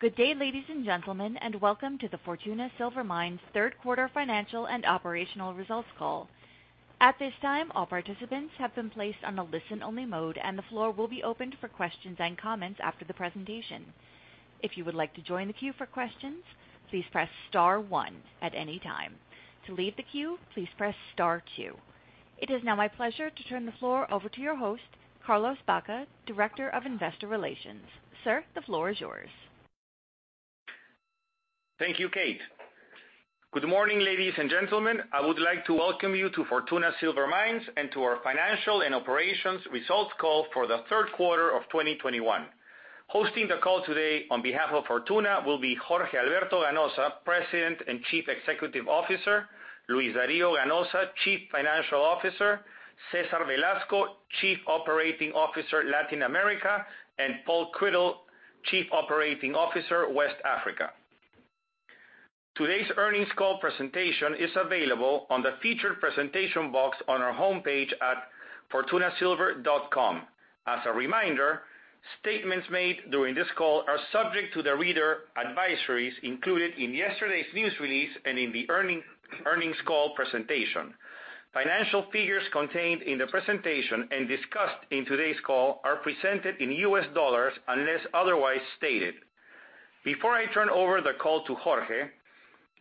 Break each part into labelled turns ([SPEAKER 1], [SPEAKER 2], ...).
[SPEAKER 1] Good day, ladies and gentlemen, and welcome to the Fortuna Silver Mines third quarter financial and operational results call. At this time, all participants have been placed on a listen-only mode, and the floor will be opened for questions and comments after the presentation. If you would like to join the queue for questions, please press star one at any time. To leave the queue, please press star two. It is now my pleasure to turn the floor over to your host, Carlos Baca, Vice President, Investor Relations. Sir, the floor is yours.
[SPEAKER 2] Thank you, Kate. Good morning, ladies and gentlemen. I would like to welcome you to Fortuna Silver Mines and to our financial and operations results call for the third quarter of 2021. Hosting the call today on behalf of Fortuna will be Jorge Alberto Ganoza, President and Chief Executive Officer, Luis Dario Ganoza, Chief Financial Officer, Cesar E. Velasco, Chief Operating Officer, Latin America, and Paul Criddle, Chief Operating Officer, West Africa. Today's earnings call presentation is available on the featured presentation box on our homepage at fortunasilver.com. As a reminder, statements made during this call are subject to the reader advisories included in yesterday's news release and in the earnings call presentation. Financial figures contained in the presentation and discussed in today's call are presented in US dollars unless otherwise stated. Before I turn over the call to Jorge,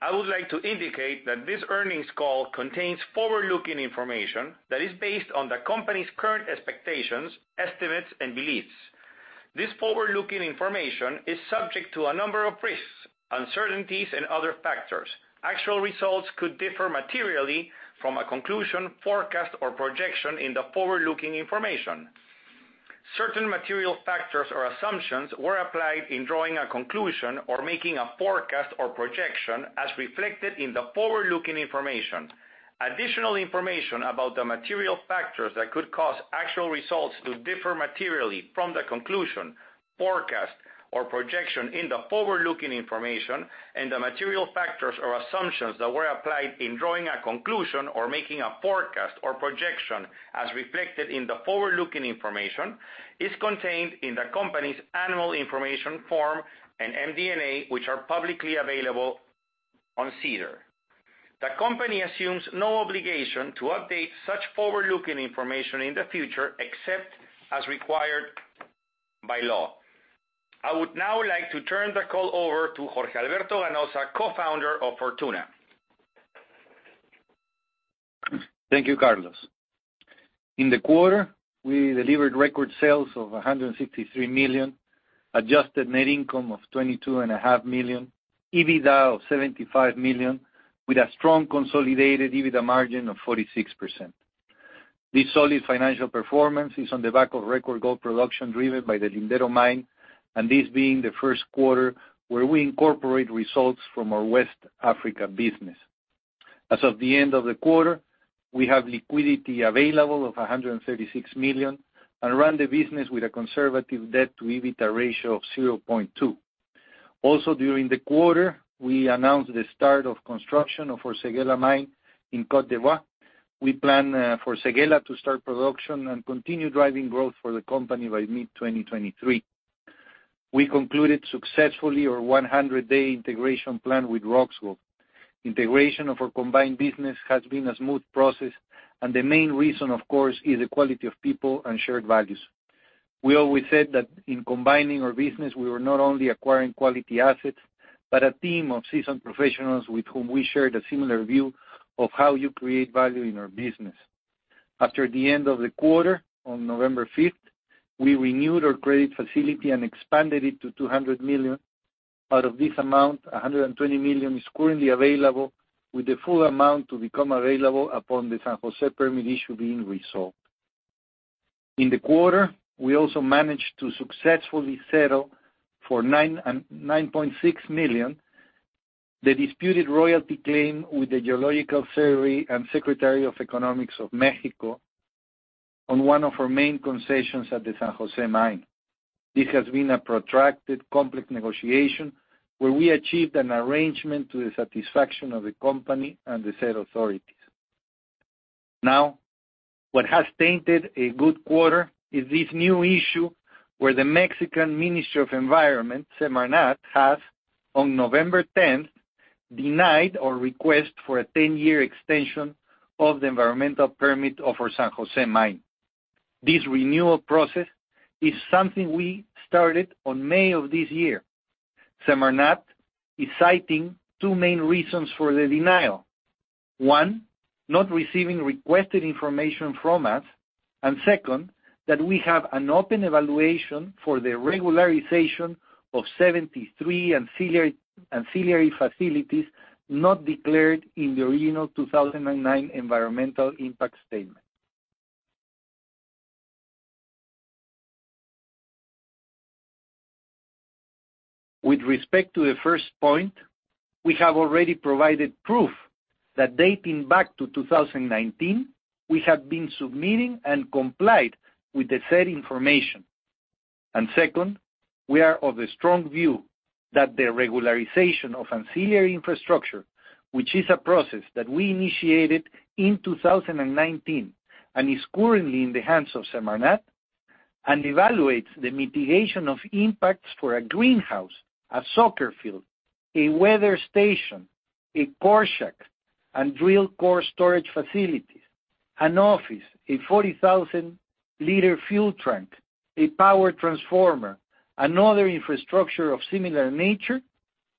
[SPEAKER 2] I would like to indicate that this earnings call contains forward-looking information that is based on the company's current expectations, estimates, and beliefs. This forward-looking information is subject to a number of risks, uncertainties, and other factors. Actual results could differ materially from a conclusion, forecast, or projection in the forward-looking information. Certain material factors or assumptions were applied in drawing a conclusion or making a forecast or projection as reflected in the forward-looking information. Additional information about the material factors that could cause actual results to differ materially from the conclusion, forecast, or projection in the forward-looking information and the material factors or assumptions that were applied in drawing a conclusion or making a forecast or projection as reflected in the forward-looking information is contained in the company's annual information form and MD&A, which are publicly available on SEDAR. The company assumes no obligation to update such forward-looking information in the future, except as required by law. I would now like to turn the call over to Jorge Alberto Ganoza, co-founder of Fortuna.
[SPEAKER 3] Thank you, Carlos. In the quarter, we delivered record sales of $163 million, adjusted net income of $22.5 million, EBITDA of $75 million, with a strong consolidated EBITDA margin of 46%. This solid financial performance is on the back of record gold production driven by the Lindero Mine, and this being the first quarter where we incorporate results from our West Africa business. As of the end of the quarter, we have liquidity available of $136 million and run the business with a conservative debt-to-EBITDA ratio of 0.2. Also, during the quarter, we announced the start of construction of our Séguéla Mine in Côte d'Ivoire. We plan for Séguéla to start production and continue driving growth for the company by mid-2023. We concluded successfully our 100-day integration plan with Roxgold. Integration of our combined business has been a smooth process, and the main reason, of course, is the quality of people and shared values. We always said that in combining our business, we were not only acquiring quality assets, but a team of seasoned professionals with whom we shared a similar view of how you create value in our business. After the end of the quarter, on November fifth, we renewed our credit facility and expanded it to $200 million. Out of this amount, $120 million is currently available, with the full amount to become available upon the San Jose permit issue being resolved. In the quarter, we also managed to successfully settle for $9.6 million the disputed royalty claim with the Geological Survey and Secretariat of Economy of Mexico on one of our main concessions at the San Jose Mine. This has been a protracted, complex negotiation where we achieved an arrangement to the satisfaction of the company and the said authorities. Now, what has tainted a good quarter is this new issue where the Mexican Ministry of Environment, SEMARNAT, has, on November tenth, denied our request for a 10-year extension of the environmental permit of our San Jose Mine. This renewal process is something we started on May of this year. SEMARNAT is citing two main reasons for the denial. One, not receiving requested information from us, and second, that we have an open evaluation for the regularization of 73 ancillary facilities not declared in the original 2009 environmental impact statement. With respect to the first point, we have already provided proof that dating back to 2019, we have been submitting and complied with the said information. Second, we are of the strong view that the regularization of ancillary infrastructure, which is a process that we initiated in 2019, and is currently in the hands of SEMARNAT, and evaluates the mitigation of impacts for a greenhouse, a soccer field, a weather station, a core shack, and drill core storage facilities, an office, a 40,000-liter fuel truck, a power transformer, another infrastructure of similar nature,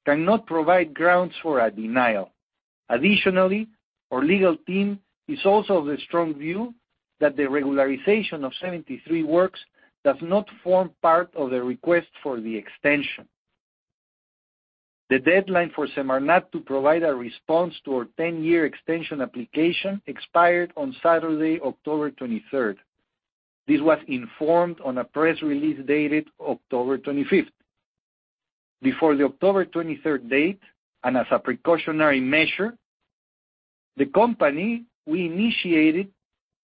[SPEAKER 3] cannot provide grounds for a denial. Additionally, our legal team is also of the strong view that the regularization of 73 works does not form part of the request for the extension. The deadline for SEMARNAT to provide a response to our ten-year extension application expired on Saturday, October 23. This was informed on a press release dated October 25. Before the October 23 date, as a precautionary measure, the company we initiated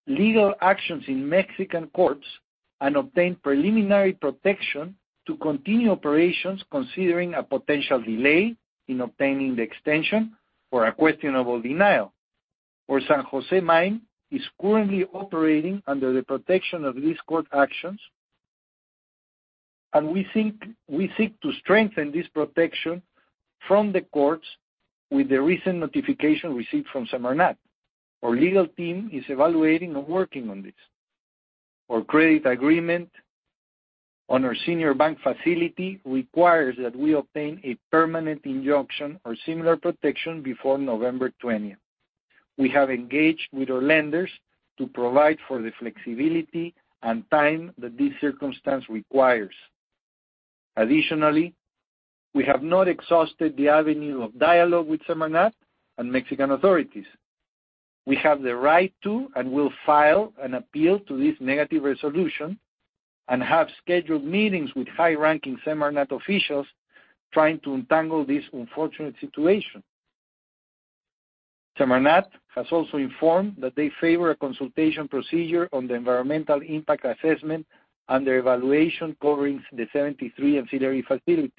[SPEAKER 3] legal actions in Mexican courts and obtained preliminary protection to continue operations considering a potential delay in obtaining the extension or a questionable denial. Our San Jose Mine is currently operating under the protection of these court actions and we seek to strengthen this protection from the courts with the recent notification received from SEMARNAT. Our legal team is evaluating and working on this. Our credit agreement on our senior bank facility requires that we obtain a permanent injunction or similar protection before November 20. We have engaged with our lenders to provide for the flexibility and time that this circumstance requires. Additionally, we have not exhausted the avenue of dialogue with SEMARNAT and Mexican authorities. We have the right to and will file an appeal to this negative resolution and have scheduled meetings with high-ranking SEMARNAT officials trying to untangle this unfortunate situation. SEMARNAT has also informed that they favor a consultation procedure on the environmental impact assessment and the evaluation covering the 73 ancillary facilities.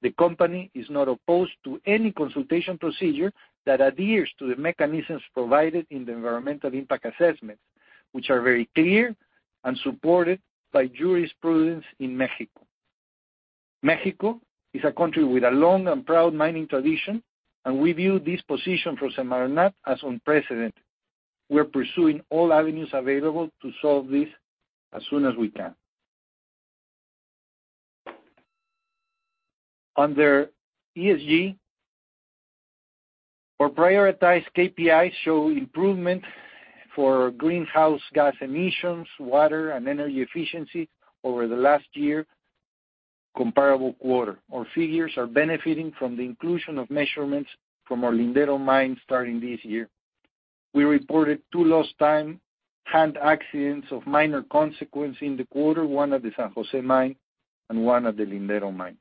[SPEAKER 3] The company is not opposed to any consultation procedure that adheres to the mechanisms provided in the environmental impact assessments, which are very clear and supported by jurisprudence in Mexico. Mexico is a country with a long and proud mining tradition, and we view this position from SEMARNAT as unprecedented. We're pursuing all avenues available to solve this as soon as we can. Under ESG, our prioritized KPI show improvement for greenhouse gas emissions, water and energy efficiency over the last year comparable quarter. Our figures are benefiting from the inclusion of measurements from our Lindero Mine starting this year. We reported two lost time hand accidents of minor consequence in the quarter, one at the San Jose Mine and one at the Lindero Mine.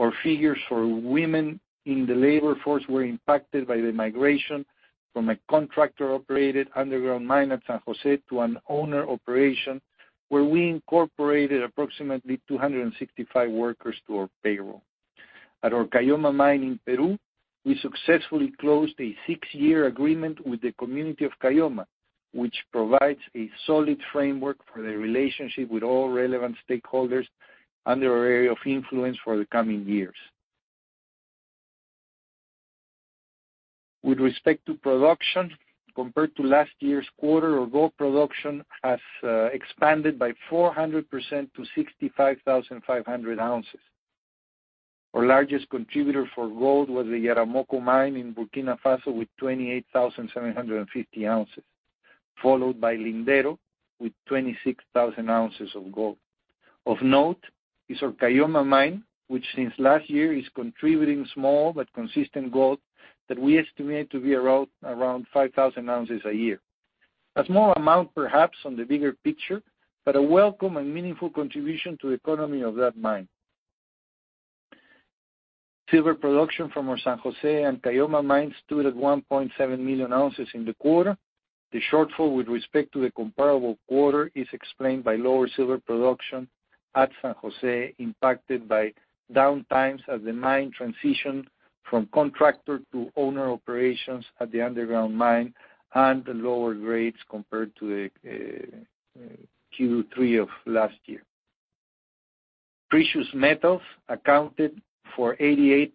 [SPEAKER 3] Our figures for women in the labor force were impacted by the migration from a contractor-operated underground mine at San Jose to an owner operation where we incorporated approximately 265 workers to our payroll. At our Caylloma Mine in Peru, we successfully closed a six-year agreement with the community of Caylloma, which provides a solid framework for the relationship with all relevant stakeholders under our area of influence for the coming years. With respect to production, compared to last year's quarter, our gold production has expanded by 400% to 65,500 ounces. Our largest contributor for gold was the Yaramoko mine in Burkina Faso with 28,750 ounces, followed by Lindero with 26,000 ounces of gold. Of note is our Caylloma mine, which since last year is contributing small but consistent gold that we estimate to be around 5,000 ounces a year. A small amount perhaps on the bigger picture, but a welcome and meaningful contribution to the economy of that mine. Silver production from our San Jose and Caylloma mines stood at 1.7 million ounces in the quarter. The shortfall with respect to the comparable quarter is explained by lower silver production at San Jose, impacted by downtimes as the mine transitioned from contractor to owner operations at the underground mine and lower grades compared to Q3 of last year. Precious metals accounted for 88%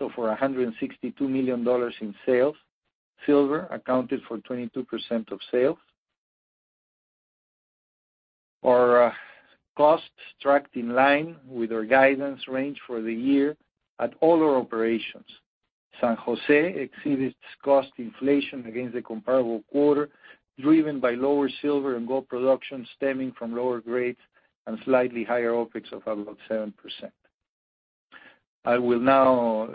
[SPEAKER 3] of our $162 million in sales. Silver accounted for 22% of sales. Our costs tracked in line with our guidance range for the year at all our operations. San Jose exceeded its cost inflation against the comparable quarter, driven by lower silver and gold production stemming from lower grades and slightly higher OpEx of about 7%. I will now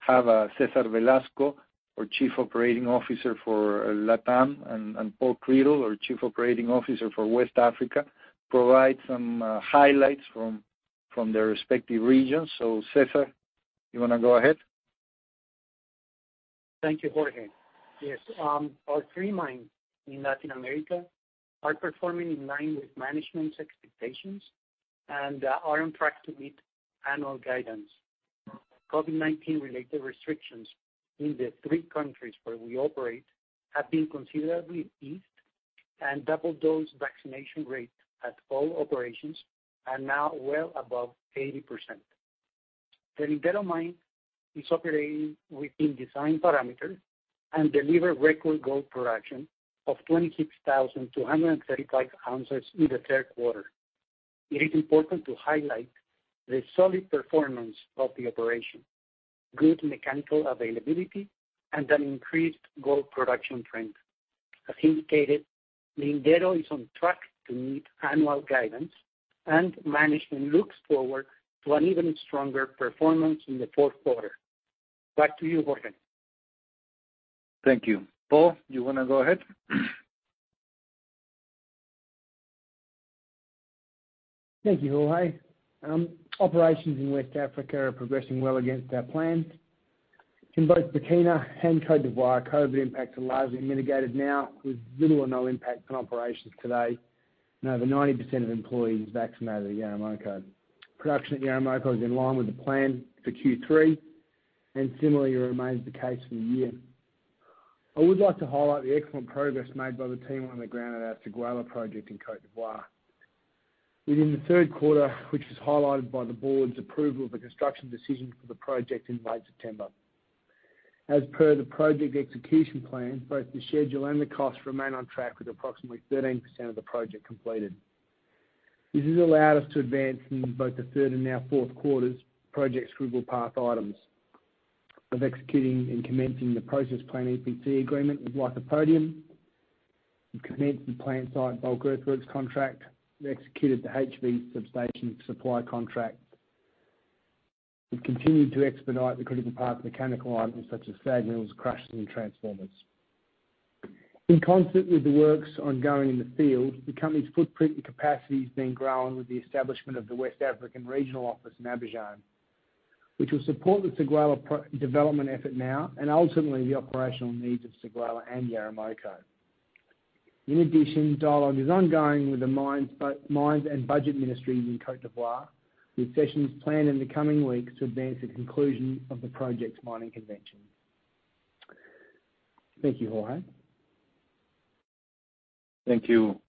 [SPEAKER 3] have Cesar Velasco, our Chief Operating Officer for LATAM, and Paul Criddle, our Chief Operating Officer for West Africa, provide some highlights from their respective regions. Cesar, you wanna go ahead?
[SPEAKER 4] Thank you, Jorge. Yes, our three mines in Latin America are performing in line with management's expectations and are on track to meet annual guidance. COVID-19 related restrictions in the three countries where we operate have been considerably eased and double dose vaccination rate at all operations are now well above 80%. The Lindero mine is operating within design parameters and delivered record gold production of 26,235 ounces in the third quarter. It is important to highlight the solid performance of the operation, good mechanical availability, and an increased gold production trend. As indicated, Lindero is on track to meet annual guidance, and management looks forward to an even stronger performance in the fourth quarter. Back to you, Jorge.
[SPEAKER 3] Thank you. Paul, you wanna go ahead?
[SPEAKER 5] Thank you, Jorge. Operations in West Africa are progressing well against our plan. In both Burkina and Côte d'Ivoire, COVID impacts are largely mitigated now with little or no impact on operations today. Now that 90% of employees vaccinated at Yaramoko, production at Yaramoko is in line with the plan for Q3 and similarly remains the case for the year. I would like to highlight the excellent progress made by the team on the ground at our Séguéla project in Côte d'Ivoire within the third quarter, which was highlighted by the board's approval of the construction decision for the project in late September. As per the project execution plan, both the schedule and the cost remain on track with approximately 13% of the project completed. This has allowed us to advance in both the third and now fourth quarters projects critical path items. We're executing and commencing the process plant EPC agreement with Lycopodium. We've commenced the plant site bulk earthworks contract. We executed the HV substation supply contract. We've continued to expedite the critical path mechanical items such as SAG mills, crushers, and transformers. In concert with the works ongoing in the field, the company's footprint and capacity is being grown with the establishment of the West African regional office in Abidjan, which will support the Séguéla project development effort now and ultimately the operational needs of Séguéla and Yaramoko. In addition, dialogue is ongoing with the Mines and Budget ministries in Côte d'Ivoire, with sessions planned in the coming weeks to advance the conclusion of the project's mining convention. Thank you, Jorge.
[SPEAKER 3] Thank you,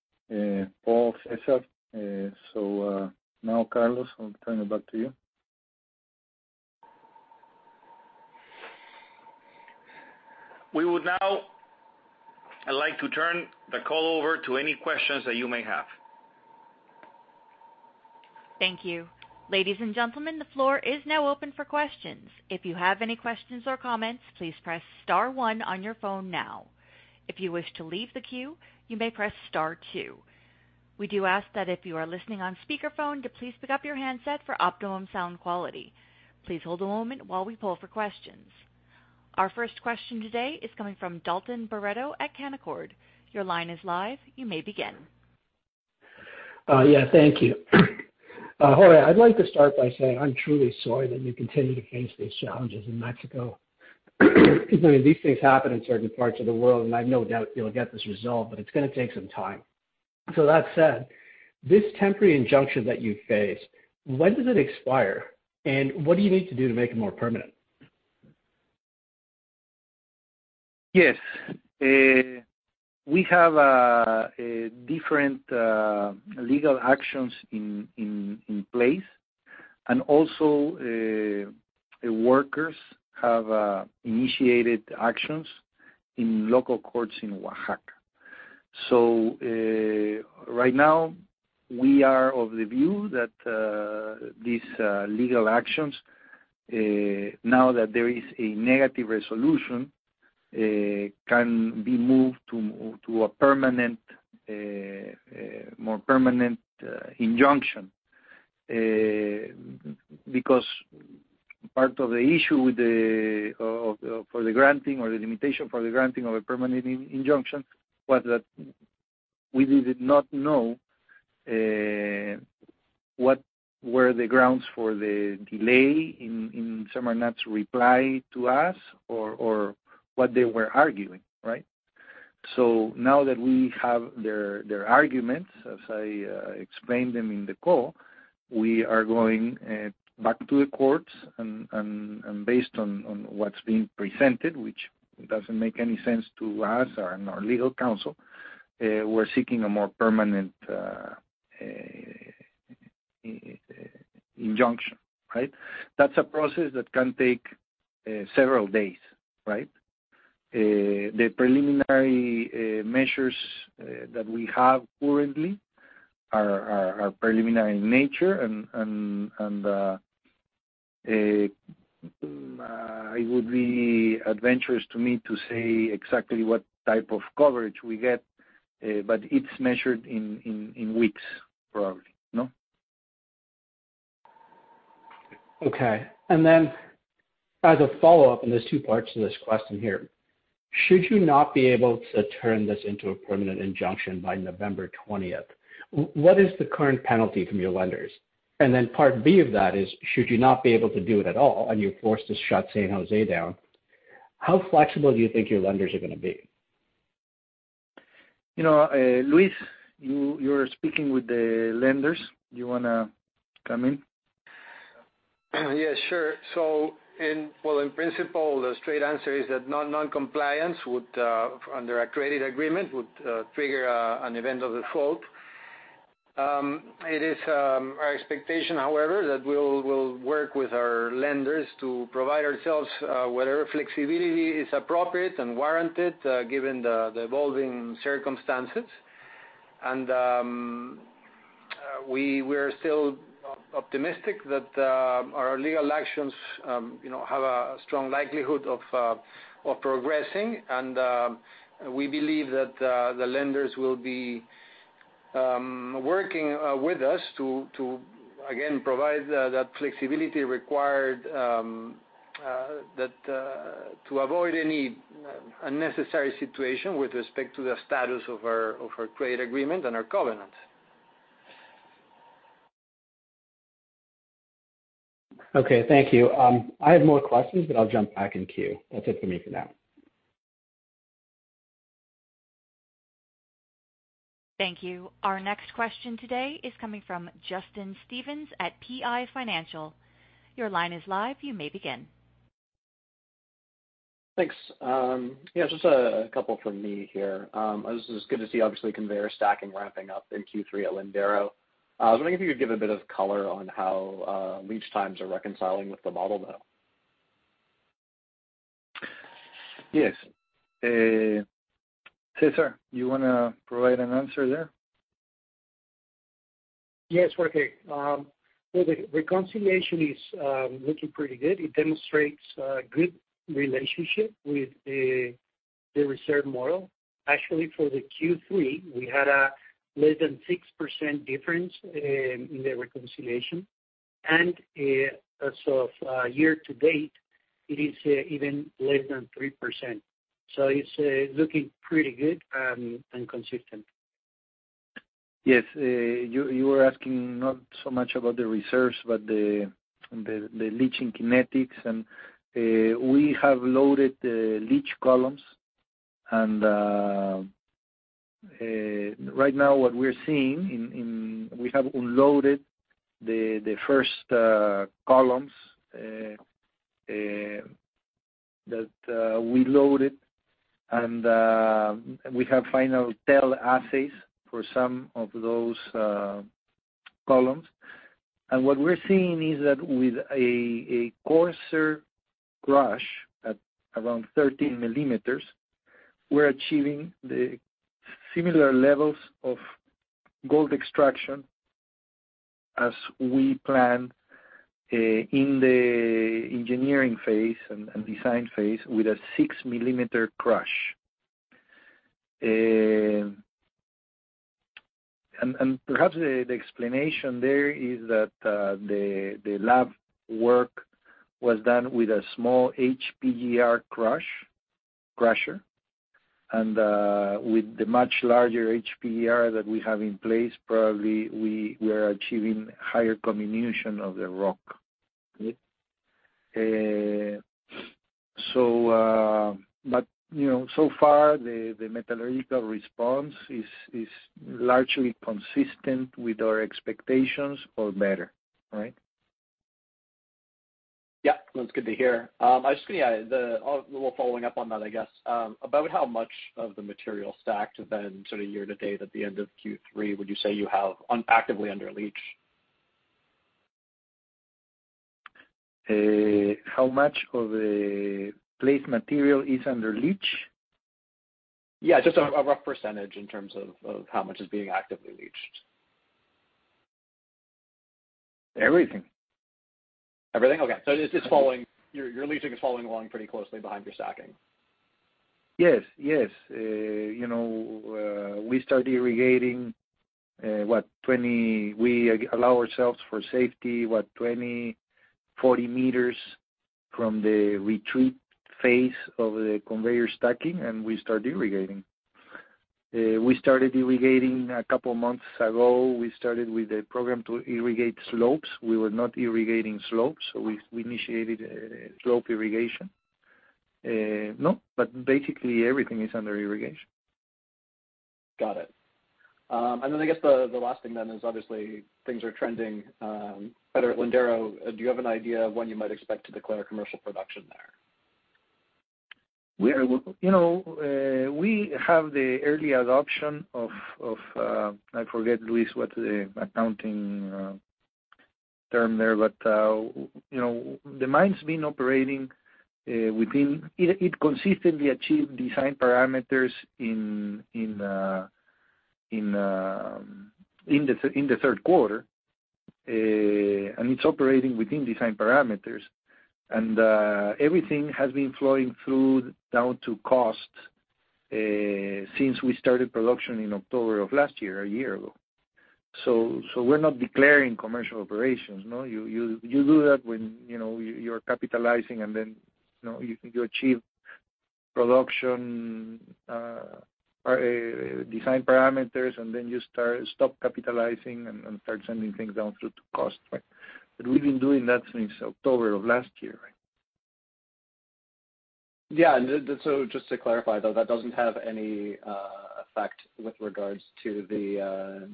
[SPEAKER 3] Paul, Cesar. Now, Carlos, I'll turn it back to you.
[SPEAKER 2] We would now like to turn the call over to any questions that you may have.
[SPEAKER 1] Thank you. Ladies and gentlemen, the floor is now open for questions. If you have any questions or comments, please press star one on your phone now. If you wish to leave the queue, you may press star two. We do ask that if you are listening on speakerphone, to please pick up your handset for optimum sound quality. Please hold a moment while we poll for questions. Our first question today is coming from Dalton Baretto at Canaccord. Your line is live, you may begin.
[SPEAKER 6] Thank you. Jorge, I'd like to start by saying I'm truly sorry that you continue to face these challenges in Mexico. I mean, these things happen in certain parts of the world, and I've no doubt you'll get this resolved, but it's gonna take some time. That said, this temporary injunction that you face, when does it expire? And what do you need to do to make it more permanent?
[SPEAKER 3] Yes. We have different legal actions in place and also workers have initiated actions in local courts in Oaxaca. Right now we are of the view that these legal actions now that there is a negative resolution can be moved to a more permanent injunction. Because part of the issue with the granting or the limitation for the granting of a permanent injunction was that we did not know what were the grounds for the delay in SEMARNAT's reply to us or what they were arguing, right? Now that we have their arguments, as I explained them in the call, we are going back to the courts and based on what's being presented, which doesn't make any sense to us or our legal counsel, we're seeking a more permanent injunction, right? That's a process that can take several days, right? The preliminary measures that we have currently are preliminary in nature and it would be adventurous to me to say exactly what type of coverage we get, but it's measured in weeks probably, you know?
[SPEAKER 6] Okay. As a follow-up, and there's two parts to this question here. Should you not be able to turn this into a permanent injunction by November twentieth, what is the current penalty from your lenders? Part B of that is should you not be able to do it at all, and you're forced to shut San Jose down, how flexible do you think your lenders are gonna be?
[SPEAKER 3] You know, Luis, you're speaking with the lenders. You wanna come in?
[SPEAKER 7] Yeah, sure. Well, in principle, the straight answer is that noncompliance would, under our credit agreement, trigger an event of default. It is our expectation, however, that we'll work with our lenders to provide ourselves whatever flexibility is appropriate and warranted, given the evolving circumstances. We're still optimistic that our legal actions, you know, have a strong likelihood of progressing. We believe that the lenders will be working with us to, again, provide that flexibility required to avoid any unnecessary situation with respect to the status of our trade agreement and our covenant.
[SPEAKER 6] Okay. Thank you. I have more questions, but I'll jump back in queue. That's it for me for now.
[SPEAKER 1] Thank you. Our next question today is coming from Justin Stevens at PI Financial. Your line is live. You may begin.
[SPEAKER 8] Thanks. Yeah, just a couple from me here. This is good to see, obviously, conveyor stacking ramping up in Q3 at Lindero. I was wondering if you could give a bit of color on how leach times are reconciling with the model though.
[SPEAKER 3] Yes. Cesar, you wanna provide an answer there?
[SPEAKER 4] Yes. Okay. The reconciliation is looking pretty good. It demonstrates good relationship with the reserve model. Actually, for the Q3, we had a less than 6% difference in the reconciliation. As of year-to-date, it is even less than 3%. It's looking pretty good and consistent.
[SPEAKER 3] Yes. You were asking not so much about the reserves, but the leaching kinetics. We have loaded the leach columns. Right now, what we're seeing is we have unloaded the first columns that we loaded. We have final tail assays for some of those columns. What we're seeing is that with a coarser crush at around 13 millimeters, we're achieving the similar levels of gold extraction as we planned in the engineering phase and design phase with a 6-millimeter crush. Perhaps the explanation there is that the lab work was done with a small HPGR crush. With the much larger HPGR that we have in place, probably we are achieving higher comminution of the rock. Yeah. You know, so far the metallurgical response is largely consistent with our expectations or better, right?
[SPEAKER 8] Yeah. That's good to hear. I was just gonna add a little following up on that, I guess. About how much of the material stacked then sort of year to date at the end of Q3 would you say you have on actively under leach?
[SPEAKER 3] How much of the placed material is under leach?
[SPEAKER 8] Yeah, just a rough percentage in terms of how much is being actively leached.
[SPEAKER 3] Everything.
[SPEAKER 8] Everything? Okay. It's just following. Your leaching is following along pretty closely behind your stacking.
[SPEAKER 3] Yes. You know, we start irrigating. We allow ourselves for safety, what 20 meters-40 meters from the retreat phase of the conveyor stacking, and we start irrigating. We started irrigating a couple months ago. We started with a program to irrigate slopes. We were not irrigating slopes. We initiated slope irrigation. No, but basically everything is under irrigation.
[SPEAKER 8] Got it. And then I guess the last thing then is obviously things are trending better at Lindero. Do you have an idea of when you might expect to declare commercial production there?
[SPEAKER 3] We are, you know, we have the early adoption of, I forget, Luis, what the accounting term there. You know, the mine's been operating within it. It consistently achieved design parameters in the third quarter. It's operating within design parameters. Everything has been flowing through down to cost since we started production in October of last year, a year ago. We're not declaring commercial operations, no? You do that when, you know, you're capitalizing and then, you know, you achieve production or design parameters, and then you stop capitalizing and start sending things down through to cost. We've been doing that since October of last year.
[SPEAKER 8] Yeah. Just to clarify, though, that doesn't have any effect with regards to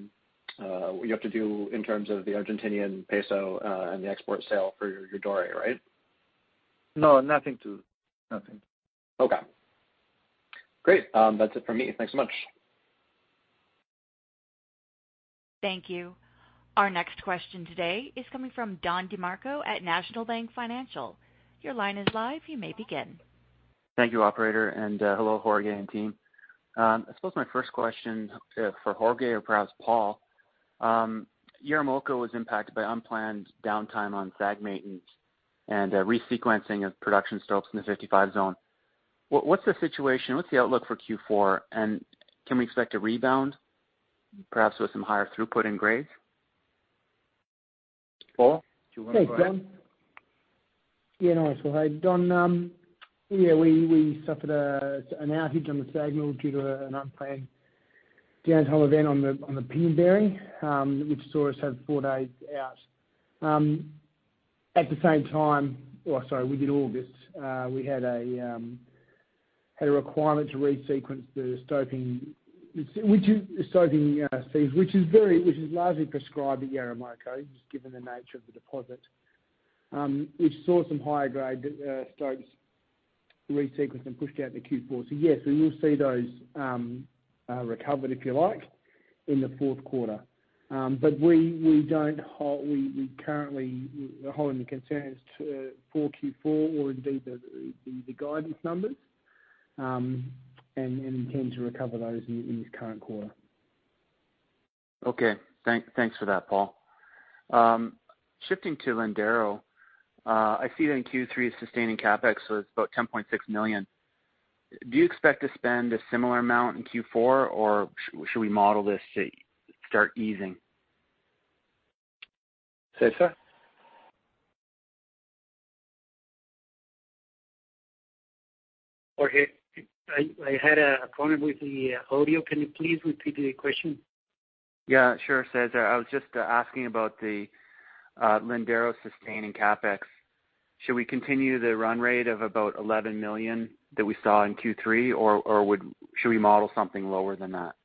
[SPEAKER 8] what you have to do in terms of the Argentinian peso and the export sale for your doré, right?
[SPEAKER 3] No, nothing.
[SPEAKER 8] Okay. Great. That's it for me. Thanks so much.
[SPEAKER 1] Thank you. Our next question today is coming from Don DeMarco at National Bank Financial. Your line is live. You may begin.
[SPEAKER 9] Thank you, operator, and hello, Jorge and team. I suppose my first question for Jorge or perhaps Paul, Yaramoko was impacted by unplanned downtime on SAG maintenance and resequencing of production stopes in the 55 Zone. What's the situation? What's the outlook for Q4? And can we expect a rebound, perhaps with some higher throughput in grades?
[SPEAKER 3] Paul, do you wanna go ahead?
[SPEAKER 5] Thanks, Don. Yeah, no worries. Well, hey, Don, yeah, we suffered an outage on the SAG mill due to an unplanned downtime event on the pinion bearing, which saw us have four days out. At the same time. Oh, sorry, we did all this. We had a requirement to resequence the stoping sequence which is largely prescribed at Yaramoko, just given the nature of the deposit, which saw some higher grade stopes resequenced and pushed out into Q4. Yes, we will see those recovered, if you like, in the fourth quarter. But we don't hold concerns for Q4 or indeed the guidance numbers, and intend to recover those in this current quarter.
[SPEAKER 9] Okay. Thanks for that, Paul. Shifting to Lindero, I see that in Q3 sustaining CapEx was about $10.6 million. Do you expect to spend a similar amount in Q4, or should we model this to start easing?
[SPEAKER 3] Cesar?
[SPEAKER 4] Jorge, I had a problem with the audio. Can you please repeat the question?
[SPEAKER 9] Yeah, sure, Cesar. I was just asking about the Lindero sustaining CapEx. Should we continue the run rate of about $11 million that we saw in Q3, or would we model something lower than that?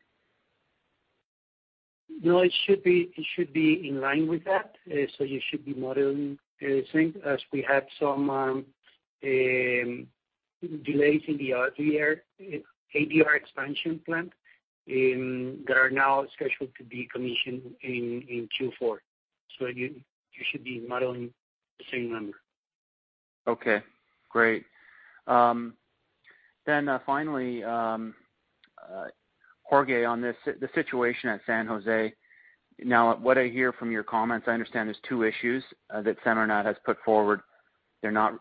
[SPEAKER 4] No, it should be in line with that. You should be modeling same as we had some delays in the ADR expansion plant that are now scheduled to be commissioned in Q4. You should be modeling the same number.
[SPEAKER 9] Okay. Great. Then, finally, Jorge, on this, the situation at San Jose. Now, what I hear from your comments, I understand there's two issues that SEMARNAT has put forward.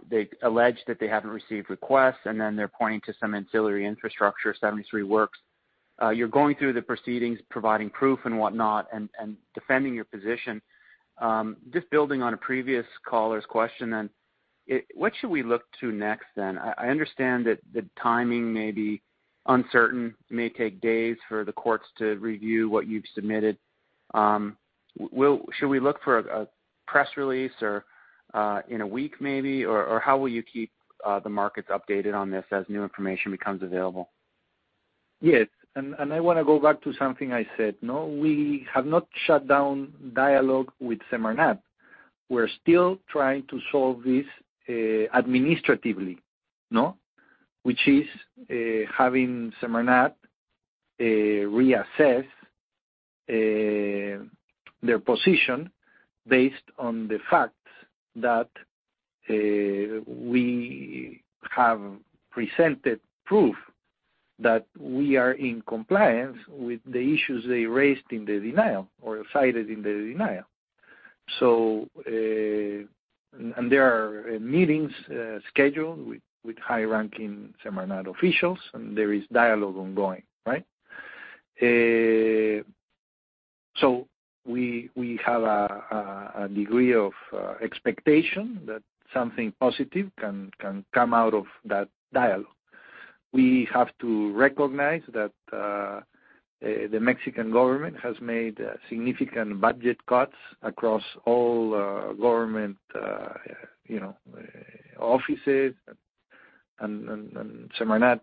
[SPEAKER 9] They allege that they haven't received requests, and then they're pointing to some ancillary infrastructure 73 works. You're going through the proceedings, providing proof and whatnot, and defending your position. Just building on a previous caller's question then, what should we look to next then? I understand that the timing may be uncertain, it may take days for the courts to review what you've submitted. Shall we look for a press release or in a week maybe, or how will you keep the markets updated on this as new information becomes available?
[SPEAKER 3] Yes. I wanna go back to something I said, no? We have not shut down dialogue with SEMARNAT. We're still trying to solve this administratively, no? Which is having SEMARNAT reassess their position based on the fact that we have presented proof that we are in compliance with the issues they raised in the denial or cited in the denial. There are meetings scheduled with high-ranking SEMARNAT officials, and there is dialogue ongoing, right? We have a degree of expectation that something positive can come out of that dialogue. We have to recognize that the Mexican government has made significant budget cuts across all government, you know, offices. SEMARNAT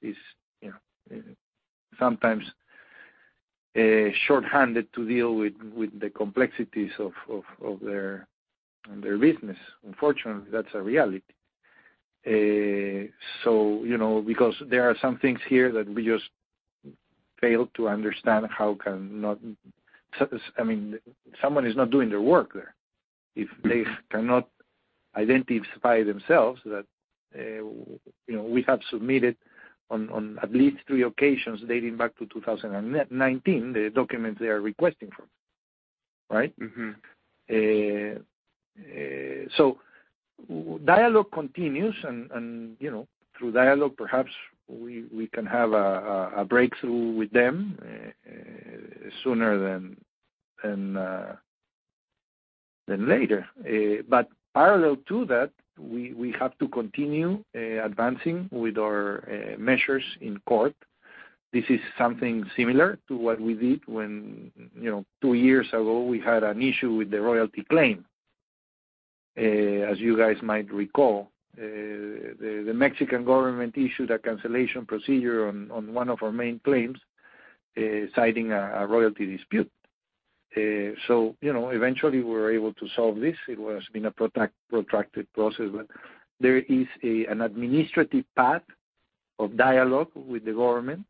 [SPEAKER 3] is, you know, sometimes shorthanded to deal with the complexities of their business. Unfortunately, that's a reality. You know, because there are some things here that we just fail to understand. I mean, someone is not doing their work there. If they cannot identify themselves that, you know, we have submitted on at least three occasions dating back to 2019, the documents they are requesting from us. Right?
[SPEAKER 9] Mm-hmm.
[SPEAKER 3] Dialogue continues and, you know, through dialogue perhaps we can have a breakthrough with them sooner than later. But parallel to that, we have to continue advancing with our measures in court. This is something similar to what we did when, you know, two years ago we had an issue with the royalty claim. As you guys might recall, the Mexican government issued a cancellation procedure on one of our main claims, citing a royalty dispute. You know, eventually we were able to solve this. It has been a protracted process. But there is an administrative path of dialogue with the government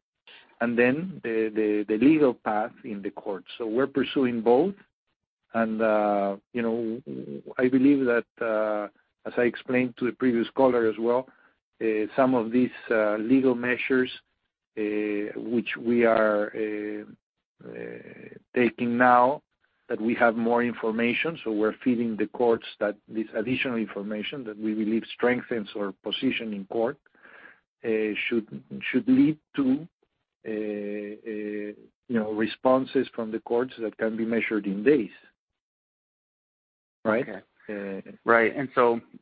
[SPEAKER 3] and then the legal path in court. We're pursuing both. I believe that, as I explained to the previous caller as well, some of these legal measures, which we are taking now that we have more information, so we're feeding the courts that this additional information that we believe strengthens our position in court, should lead to, you know, responses from the courts that can be measured in days, right?
[SPEAKER 9] Yeah,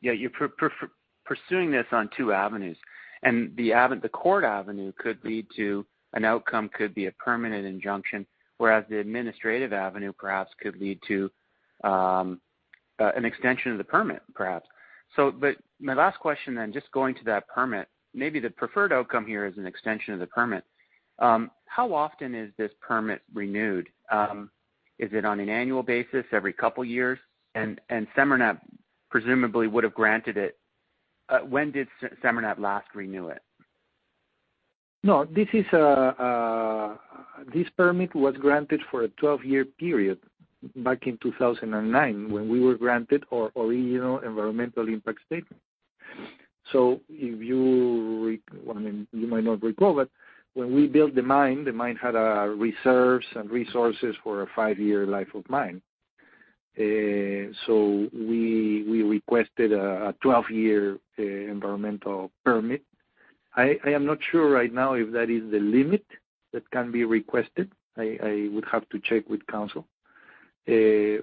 [SPEAKER 9] you're pursuing this on two avenues. The court avenue could lead to an outcome, could be a permanent injunction, whereas the administrative avenue perhaps could lead to an extension of the permit, perhaps. My last question then, just going to that permit, maybe the preferred outcome here is an extension of the permit. How often is this permit renewed? Is it on an annual basis, every couple years? And SEMARNAT presumably would have granted it. When did SEMARNAT last renew it?
[SPEAKER 3] No, this permit was granted for a 12-year period back in 2009 when we were granted our original environmental impact statement. Well, I mean, you might not recall, but when we built the mine, the mine had reserves and resources for a five-year life of mine. We requested a 12-year environmental permit. I am not sure right now if that is the limit that can be requested. I would have to check with council. We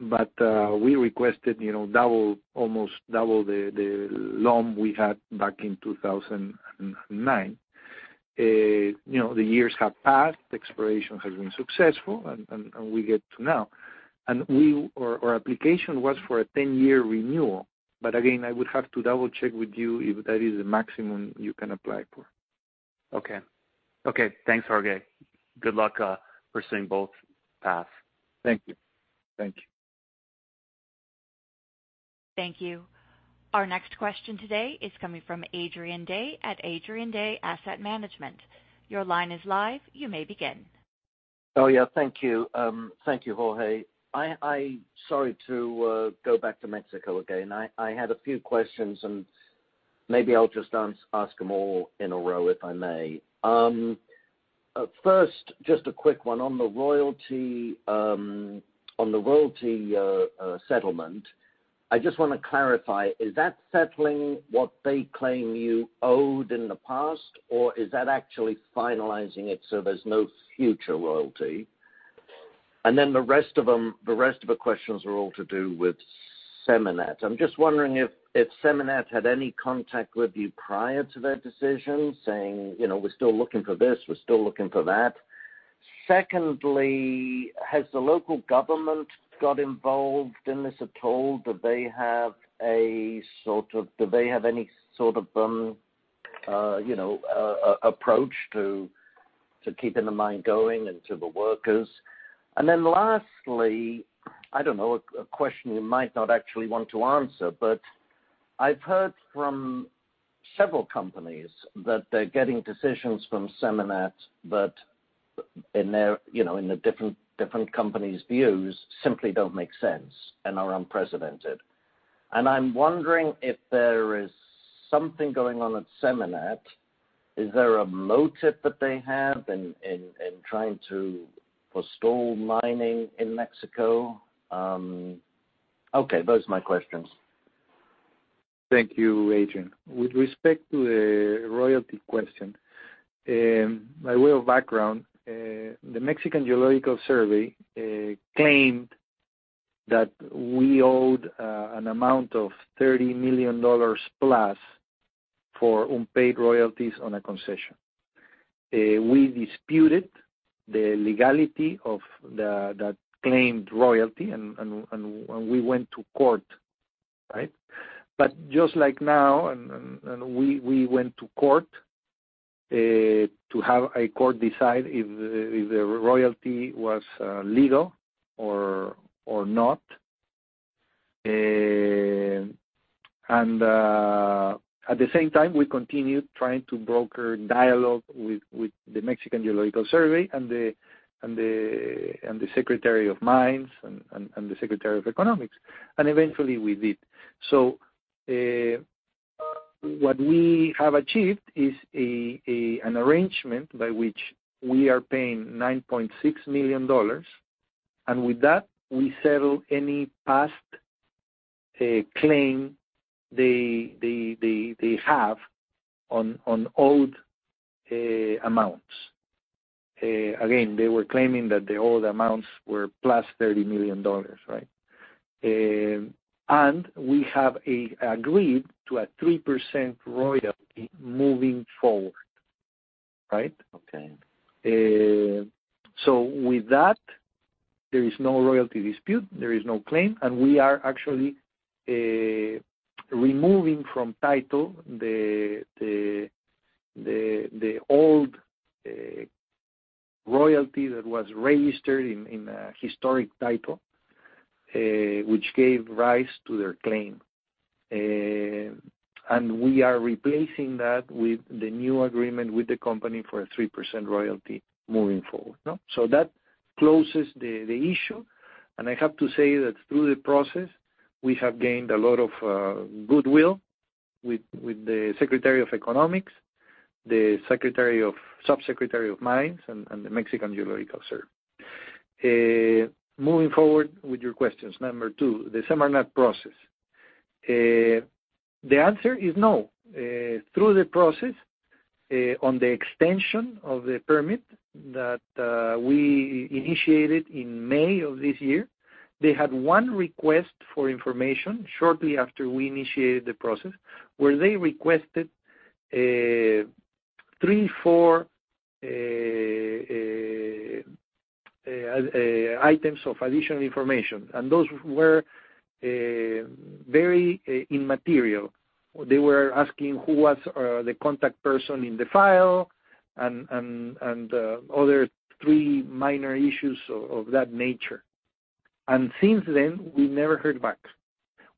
[SPEAKER 3] requested, you know, double, almost double the LOM we had back in 2009. You know, the years have passed. Exploration has been successful. We get to now. Our application was for a 10-year renewal. Again, I would have to double-check with you if that is the maximum you can apply for.
[SPEAKER 9] Okay, thanks, Jorge. Good luck, pursuing both paths.
[SPEAKER 3] Thank you. Thank you.
[SPEAKER 1] Thank you. Our next question today is coming from Adrian Day at Adrian Day Asset Management. Your line is live. You may begin.
[SPEAKER 10] Oh, yeah. Thank you. Thank you, Jorge. Sorry to go back to Mexico again. I had a few questions, and maybe I'll just ask them all in a row, if I may. First, just a quick one. On the royalty settlement, I just wanna clarify, is that settling what they claim you owed in the past, or is that actually finalizing it so there's no future royalty? The rest of the questions are all to do with SEMARNAT. I'm just wondering if SEMARNAT had any contact with you prior to their decision, saying, you know, "We're still looking for this, we're still looking for that." Secondly, has the local government got involved in this at all? Do they have a sort of? Do they have any sort of you know approach to keeping the mine going and to the workers? Lastly, a question you might not actually want to answer, but I've heard from several companies that they're getting decisions from SEMARNAT, but in their you know in the different companies' views, simply don't make sense and are unprecedented. I'm wondering if there is something going on at SEMARNAT. Is there a motive that they have in trying to forestall mining in Mexico? Those are my questions.
[SPEAKER 3] Thank you, Adrian. With respect to the royalty question, by way of background, the Mexican Geological Survey claimed that we owed an amount of $30 million plus for unpaid royalties on a concession. We disputed the legality of that claimed royalty and we went to court, right? Just like now, we went to court to have a court decide if the royalty was legal or not. At the same time, we continued trying to broker dialogue with the Mexican Geological Survey and the Secretary of Economics, and eventually we did. What we have achieved is an arrangement by which we are paying $9.6 million. With that, we settle any past claim they have on owed amounts. Again, they were claiming that the owed amounts were plus $30 million, right? We have agreed to a 3% royalty moving forward, right, okay. With that, there is no royalty dispute, there is no claim, and we are actually removing from title the old royalty that was registered in the historic title, which gave rise to their claim. We are replacing that with the new agreement with the company for a 3% royalty moving forward, you know? That closes the issue. I have to say that through the process, we have gained a lot of goodwill with the Secretariat of Economy, the Subsecretary of Mines and the Mexican Geological Survey. Moving forward with your questions, number two, the SEMARNAT process. The answer is no. Through the process on the extension of the permit that we initiated in May of this year, they had one request for information shortly after we initiated the process, where they requested three, four items of additional information. Those were very immaterial. They were asking who was the contact person in the file and other three minor issues of that nature. Since then, we never heard back.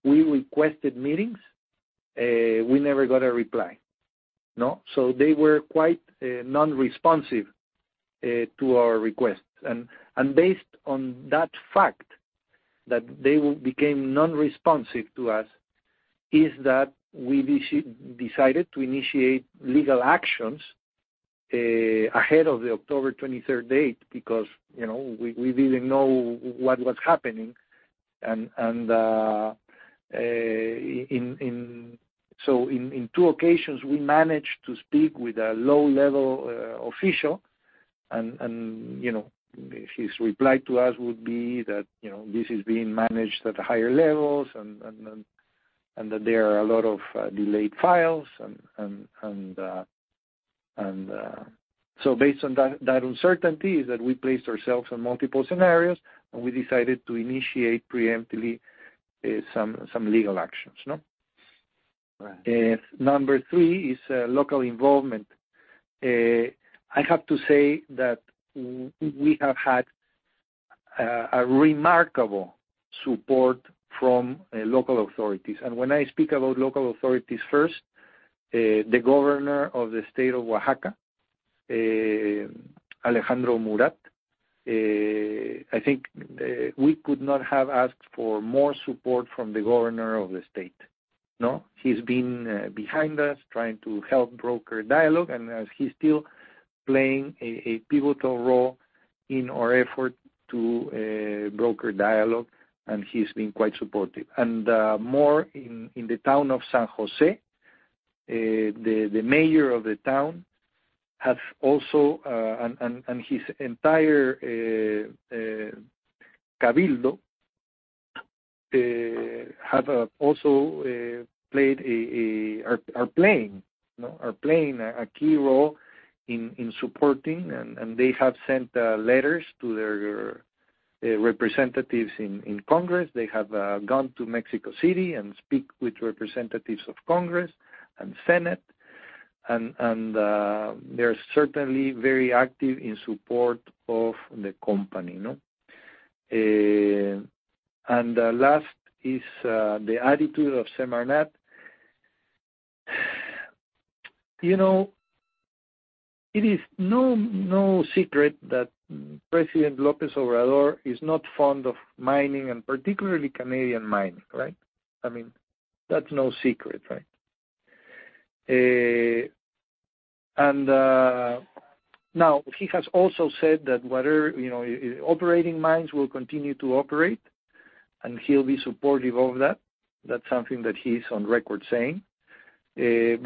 [SPEAKER 3] We requested meetings, we never got a reply. No. They were quite non-responsive to our requests. Based on that fact that they became non-responsive to us, is that we decided to initiate legal actions ahead of the October 23rd date because, you know, we didn't know what was happening. In two occasions, we managed to speak with a low-level official and, you know, his reply to us would be that, you know, this is being managed at higher levels and that there are a lot of delayed files. Based on that uncertainty is that we placed ourselves on multiple scenarios, and we decided to initiate preemptively some legal actions, you know?
[SPEAKER 10] Right.
[SPEAKER 3] Number three is local involvement. I have to say that we have had a remarkable support from local authorities. When I speak about local authorities, first, the governor of the state of Oaxaca, Alejandro Murat, I think, we could not have asked for more support from the governor of the state. No? He's been behind us trying to help broker dialogue, and he's still playing a pivotal role in our effort to broker dialogue, and he's been quite supportive. More in the town of San José, the mayor of the town has also and his entire Cabildo have also played a... are playing. No, they are playing a key role in supporting, and they have sent letters to their representatives in Congress. They have gone to Mexico City and spoken with representatives of Congress and Senate. They're certainly very active in support of the company, you know? Last is the attitude of SEMARNAT. You know, it is no secret that President López Obrador is not fond of mining and particularly Canadian mining, right? I mean, that's no secret, right? Now, he has also said that well, you know, operating mines will continue to operate, and he'll be supportive of that. That's something that he's on record saying. At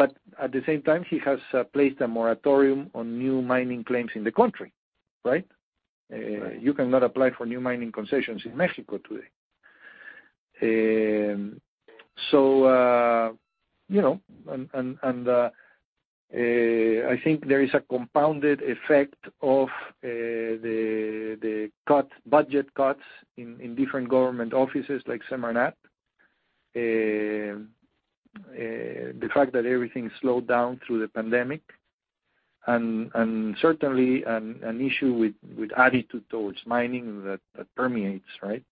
[SPEAKER 3] the same time, he has placed a moratorium on new mining claims in the country, right?
[SPEAKER 10] Right.
[SPEAKER 3] You cannot apply for new mining concessions in Mexico today. You know, and I think there is a compounded effect of the budget cuts in different government offices like SEMARNAT. The fact that everything slowed down through the pandemic and certainly an issue with attitude towards mining that permeates, right?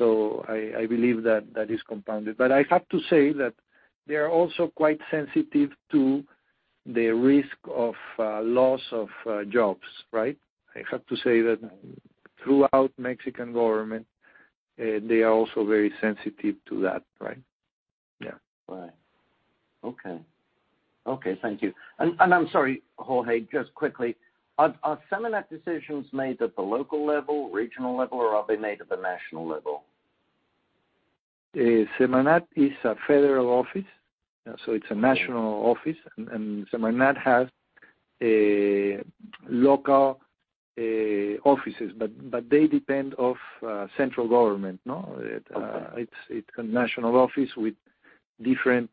[SPEAKER 3] I believe that is compounded. I have to say that they are also quite sensitive to the risk of loss of jobs, right? I have to say that throughout Mexican government, they are also very sensitive to that, right? Yeah.
[SPEAKER 10] Right. Okay, thank you. I'm sorry, Jorge, just quickly. Are SEMARNAT decisions made at the local level, regional level, or are they made at the national level?
[SPEAKER 3] SEMARNAT is a federal office, so it's a national office. SEMARNAT has a local offices, but they depend of central government. No?
[SPEAKER 10] Okay.
[SPEAKER 3] It's a national office with different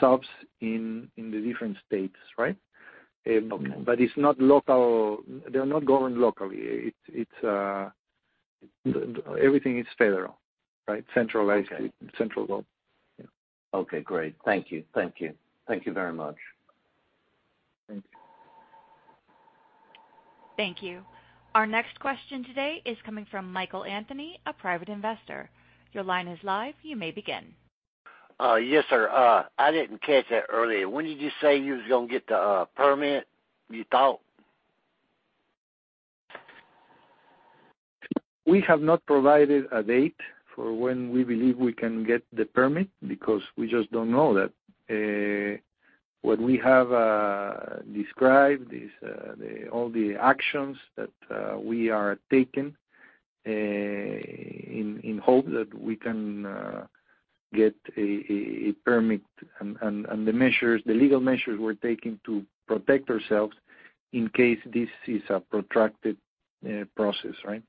[SPEAKER 3] subs in the different states, right?
[SPEAKER 10] Okay.
[SPEAKER 3] It's not local. They're not governed locally. It's everything is federal, right?
[SPEAKER 10] Okay.
[SPEAKER 3] Central government.
[SPEAKER 10] Okay, great. Thank you very much.
[SPEAKER 3] Thank you.
[SPEAKER 1] Thank you. Our next question today is coming from Michael Anthony, a private investor. Your line is live. You may begin.
[SPEAKER 11] Yes, sir. I didn't catch that earlier. When did you say you was gonna get the permit, you thought?
[SPEAKER 3] We have not provided a date for when we believe we can get the permit because we just don't know that. What we have described is all the actions that we are taking in hope that we can get a permit and the measures, the legal measures we're taking to protect ourselves in case this is a protracted process, right?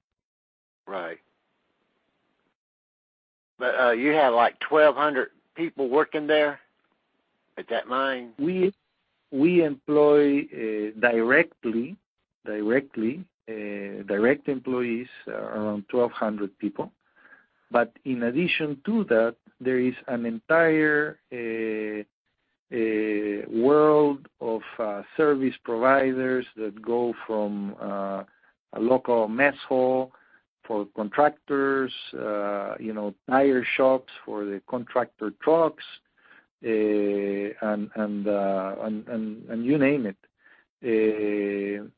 [SPEAKER 11] You have like 1,200 people working there at that mine?
[SPEAKER 3] We employ direct employees around 1,200 people. In addition to that, there is an entire world of service providers that go from a local mess hall for contractors, you know, tire shops for the contractor trucks, and you name it.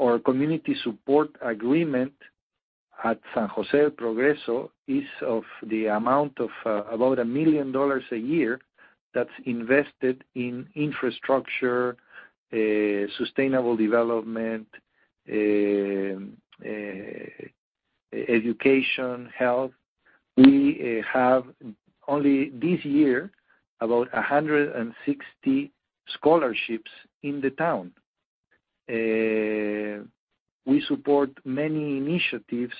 [SPEAKER 3] Our community support agreement at San José El Progreso is of the amount of about $1 million a year that's invested in infrastructure, sustainable development, education, health. We have only this year about 160 scholarships in the town. We support many initiatives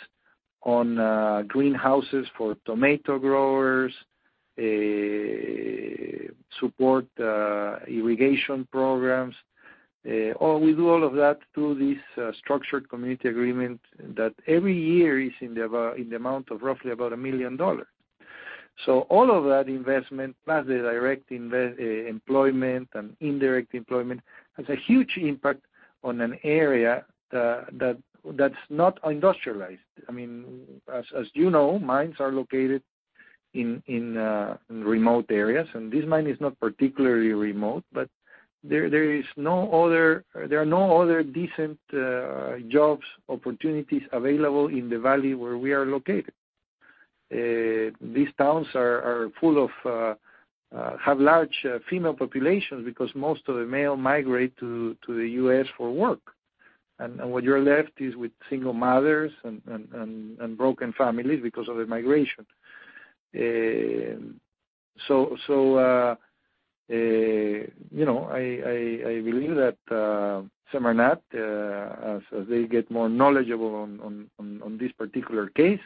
[SPEAKER 3] on greenhouses for tomato growers, support, irrigation programs. We do all of that through this structured community agreement that every year is in the amount of roughly $1 million. So all of that investment, plus the direct employment and indirect employment, has a huge impact on an area that's not industrialized. I mean, as you know, mines are located in remote areas, and this mine is not particularly remote, but there are no other decent job opportunities available in the valley where we are located. These towns are full of a large female population because most of the males migrate to the U.S. for work. What you're left with is single mothers and broken families because of the migration. You know, I believe that SEMARNAT, as they get more knowledgeable on this particular case,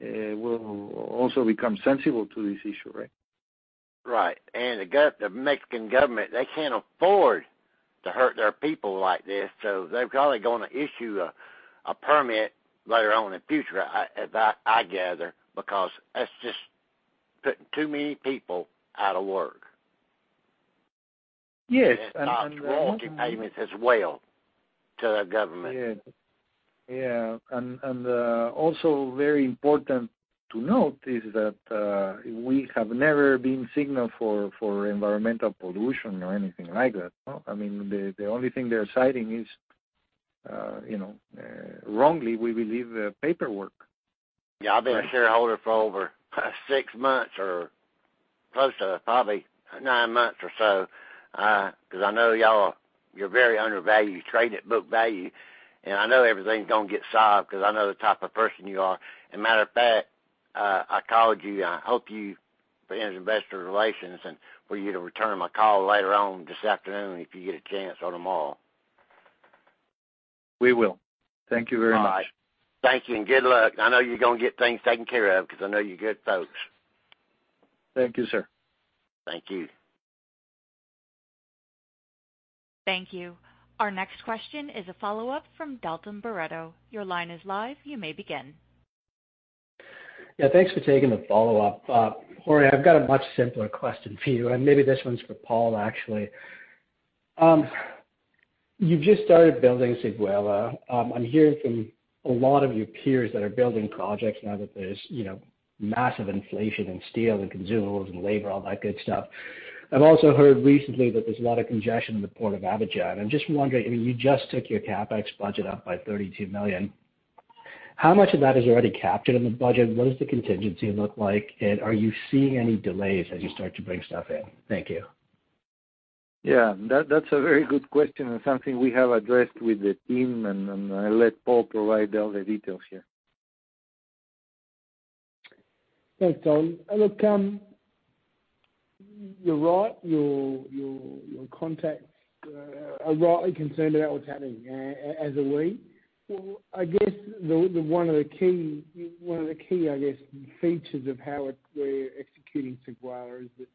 [SPEAKER 3] will also become sensible to this issue, right?
[SPEAKER 11] Right. The Mexican government, they can't afford to hurt their people like this, so they're probably gonna issue a permit later on in future, as I gather, because that's just putting too many people out of work.
[SPEAKER 3] Yes, and.
[SPEAKER 11] It stops royalty payments as well to the government.
[SPEAKER 3] Also very important to note is that we have never been signaled for environmental pollution or anything like that. No. I mean, the only thing they're citing is, you know, wrongly, we believe, paperwork.
[SPEAKER 11] Yeah. I've been a shareholder for over six months or close to it, probably nine months or so, 'cause I know y'all, you're very undervalued. You trade net book value. I know everything's gonna get solved because I know the type of person you are. Matter of fact, I called you, and I hope you put me into investor relations, and for you to return my call later on this afternoon if you get a chance or tomorrow.
[SPEAKER 3] We will. Thank you very much.
[SPEAKER 11] All right. Thank you, and good luck. I know you're gonna get things taken care of because I know you're good folks.
[SPEAKER 3] Thank you, sir.
[SPEAKER 11] Thank you.
[SPEAKER 1] Thank you. Our next question is a follow-up from Dalton Baretto. Your line is live. You may begin.
[SPEAKER 6] Yeah. Thanks for taking the follow-up. Jorge, I've got a much simpler question for you, and maybe this one's for Paul, actually. You've just started building Séguéla. I'm hearing from a lot of your peers that are building projects now that there's massive inflation in steel and consumables and labor, all that good stuff. I've also heard recently that there's a lot of congestion in the port of Abidjan. I'm just wondering, you just took your CapEx budget up by $32 million. How much of that is already captured in the budget? What does the contingency look like? Are you seeing any delays as you start to bring stuff in? Thank you.
[SPEAKER 3] Yeah. That's a very good question and something we have addressed with the team and I'll let Paul provide all the details here.
[SPEAKER 5] Thanks, Tom. Look, you're right. Your contacts are rightly concerned about what's happening. As of late, I guess one of the key features of how we're executing Séguéla is that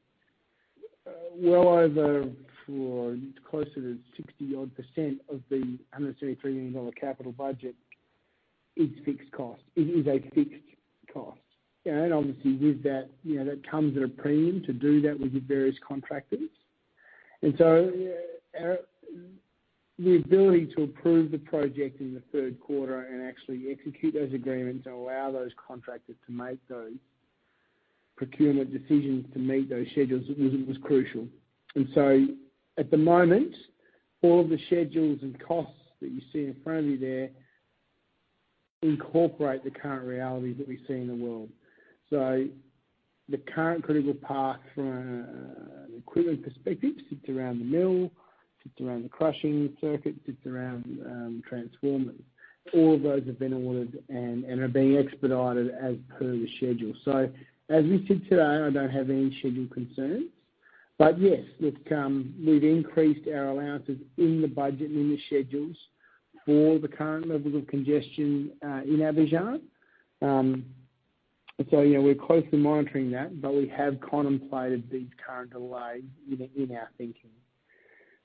[SPEAKER 5] well over, or closer to 60-odd% of the $173 million capital budget is fixed cost. It is a fixed cost. You know, and obviously with that, you know, that comes at a premium to do that with the various contractors. The ability to approve the project in the third quarter and actually execute those agreements and allow those contractors to make those procurement decisions to meet those schedules was crucial. At the moment, all of the schedules and costs that you see in front of you there incorporate the current reality that we see in the world. The current critical path from an equipment perspective sits around the mill, sits around the crushing circuit, sits around transformers. All of those have been ordered and are being expedited as per the schedule. As we sit today, I don't have any schedule concerns. Yes, we've increased our allowances in the budget and in the schedules for the current levels of congestion in Abidjan. Yeah, we're closely monitoring that, but we have contemplated these current delays in our thinking.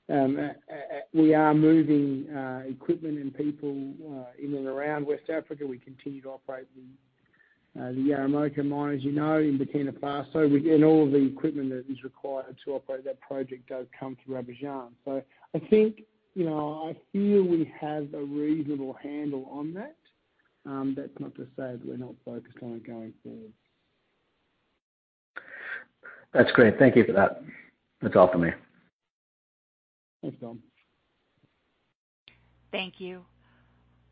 [SPEAKER 5] We are moving equipment and people in and around West Africa. We continue to operate the Yaramoko mine, as you know, in Burkina Faso. All the equipment that is required to operate that project does come through Abidjan. I think, you know, I feel we have a reasonable handle on that. That's not to say that we're not focused on it going forward.
[SPEAKER 6] That's great. Thank you for that. That's all from me.
[SPEAKER 5] Thanks, Dalton.
[SPEAKER 1] Thank you.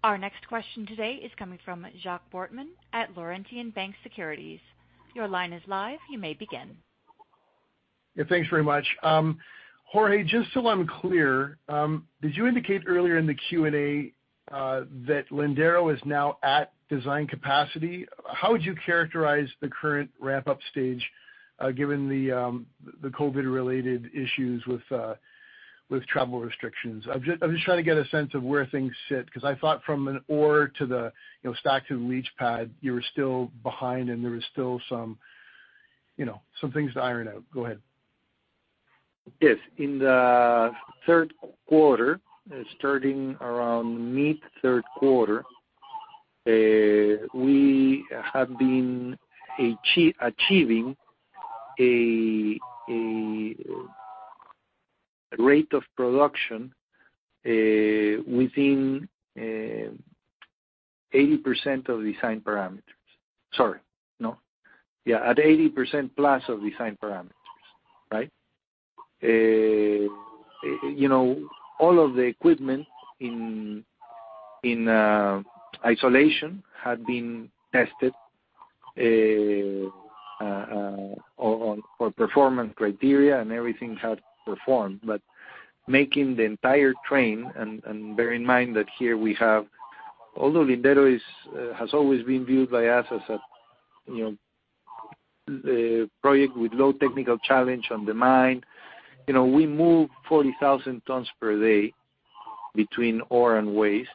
[SPEAKER 1] Our next question today is coming from Jacques Wortman at Laurentian Bank Securities. Your line is live. You may begin.
[SPEAKER 12] Yeah, thanks very much. Jorge, just so I'm clear, did you indicate earlier in the Q&A that Lindero is now at design capacity? How would you characterize the current ramp-up stage, given the COVID-related issues with travel restrictions? I'm just trying to get a sense of where things sit, 'cause I thought from an ore to the stack to leach pad, you were still behind and there was still some things to iron out. Go ahead.
[SPEAKER 3] Yes. In the third quarter, starting around mid-third quarter, we have been achieving a rate of production within 80% of design parameters. Sorry. No. Yeah, at 80% plus of design parameters, right? You know, all of the equipment in isolation had been tested on performance criteria and everything had performed. Making the entire train and bear in mind that here we have although Lindero has always been viewed by us as a, you know, project with low technical challenge on the mine. You know, we move 40,000 tons per day between ore and waste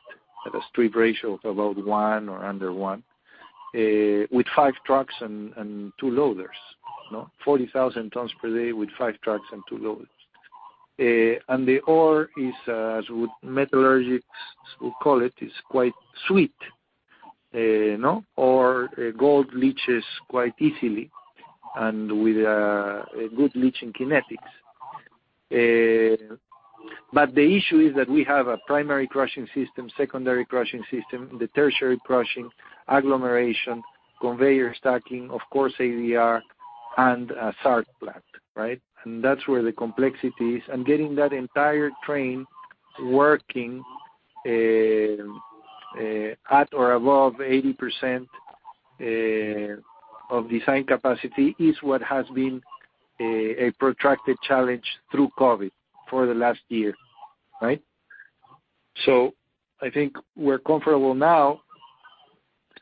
[SPEAKER 3] at a strip ratio of about 1 or under 1 with 5 trucks and 2 loaders. No, 40,000 tons per day with 5 trucks and 2 loaders. The ore is, as with metallurgics, we call it, is quite sweet, you know. Or gold leaches quite easily and with a good leaching kinetics. But the issue is that we have a primary crushing system, secondary crushing system, the tertiary crushing, agglomeration, conveyor stacking, of course ADR and a SART plant, right? That's where the complexity is. Getting that entire train working at or above 80% of design capacity is what has been a protracted challenge through COVID for the last year, right? I think we're comfortable now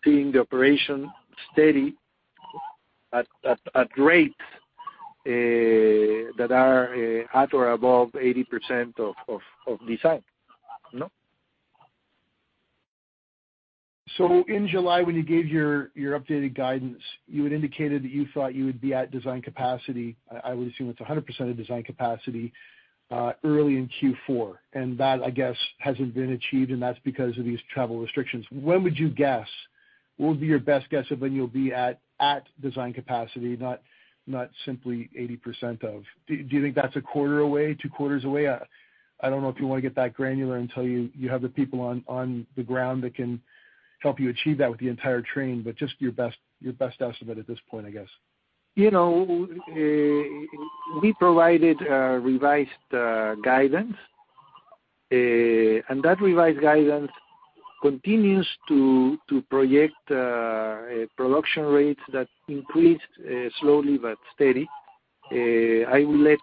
[SPEAKER 3] seeing the operation steady at rates that are at or above 80% of design. No?
[SPEAKER 12] In July, when you gave your updated guidance, you had indicated that you thought you would be at design capacity. I would assume it's 100% of design capacity early in Q4. That, I guess, hasn't been achieved and that's because of these travel restrictions. What would be your best guess of when you'll be at design capacity, not simply 80% of? Do you think that's a quarter away? Two quarters away? I don't know if you wanna get that granular until you have the people on the ground that can help you achieve that with the entire train, but just your best estimate at this point, I guess.
[SPEAKER 3] You know, we provided revised guidance. That revised guidance continues to project production rates that increased slowly but steady. I will let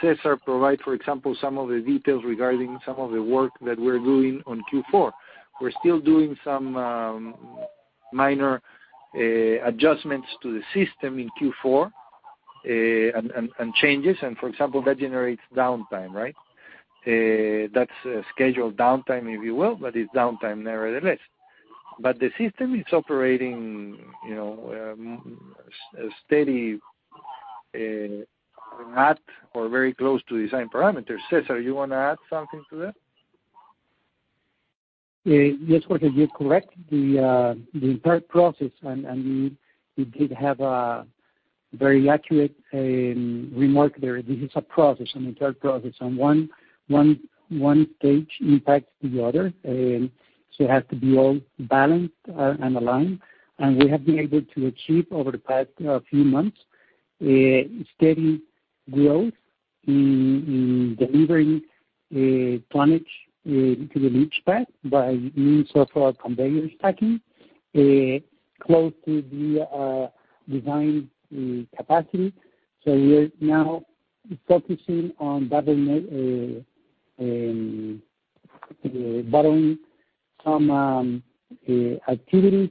[SPEAKER 3] Cesar provide, for example, some of the details regarding some of the work that we're doing on Q4. We're still doing some minor adjustments to the system in Q4, and changes. For example, that generates downtime, right? That's a scheduled downtime, if you will, but it's downtime nevertheless. The system is operating, you know, steady at or very close to design parameters. Cesar, you wanna add something to that?
[SPEAKER 4] Yes, Jorge, you're correct. The entire process and you did have a very accurate remark there. This is a process, an entire process, and one stage impacts the other. It has to be all balanced and aligned. We have been able to achieve over the past few months a steady growth in delivering tonnage to the leach pad by means of our conveyor stacking close to the design capacity. We are now focusing on bottleneck some activities,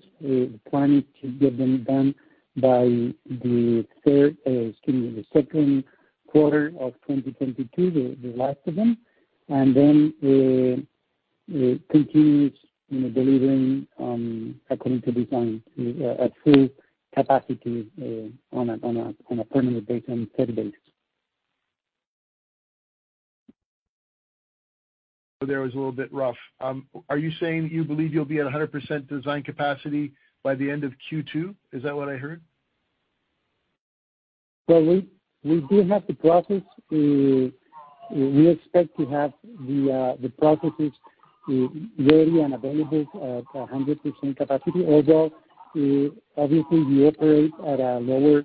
[SPEAKER 4] planning to get them done by the third, excuse me, the second quarter of 2022, the last of them. Continuous, you know, delivering according to design at full capacity on a permanent basis, on a steady basis.
[SPEAKER 12] There it was a little bit rough. Are you saying that you believe you'll be at 100% design capacity by the end of Q2? Is that what I heard?
[SPEAKER 4] Well, we do have the process. We expect to have the processes ready and available at 100% capacity, although obviously we operate at a lower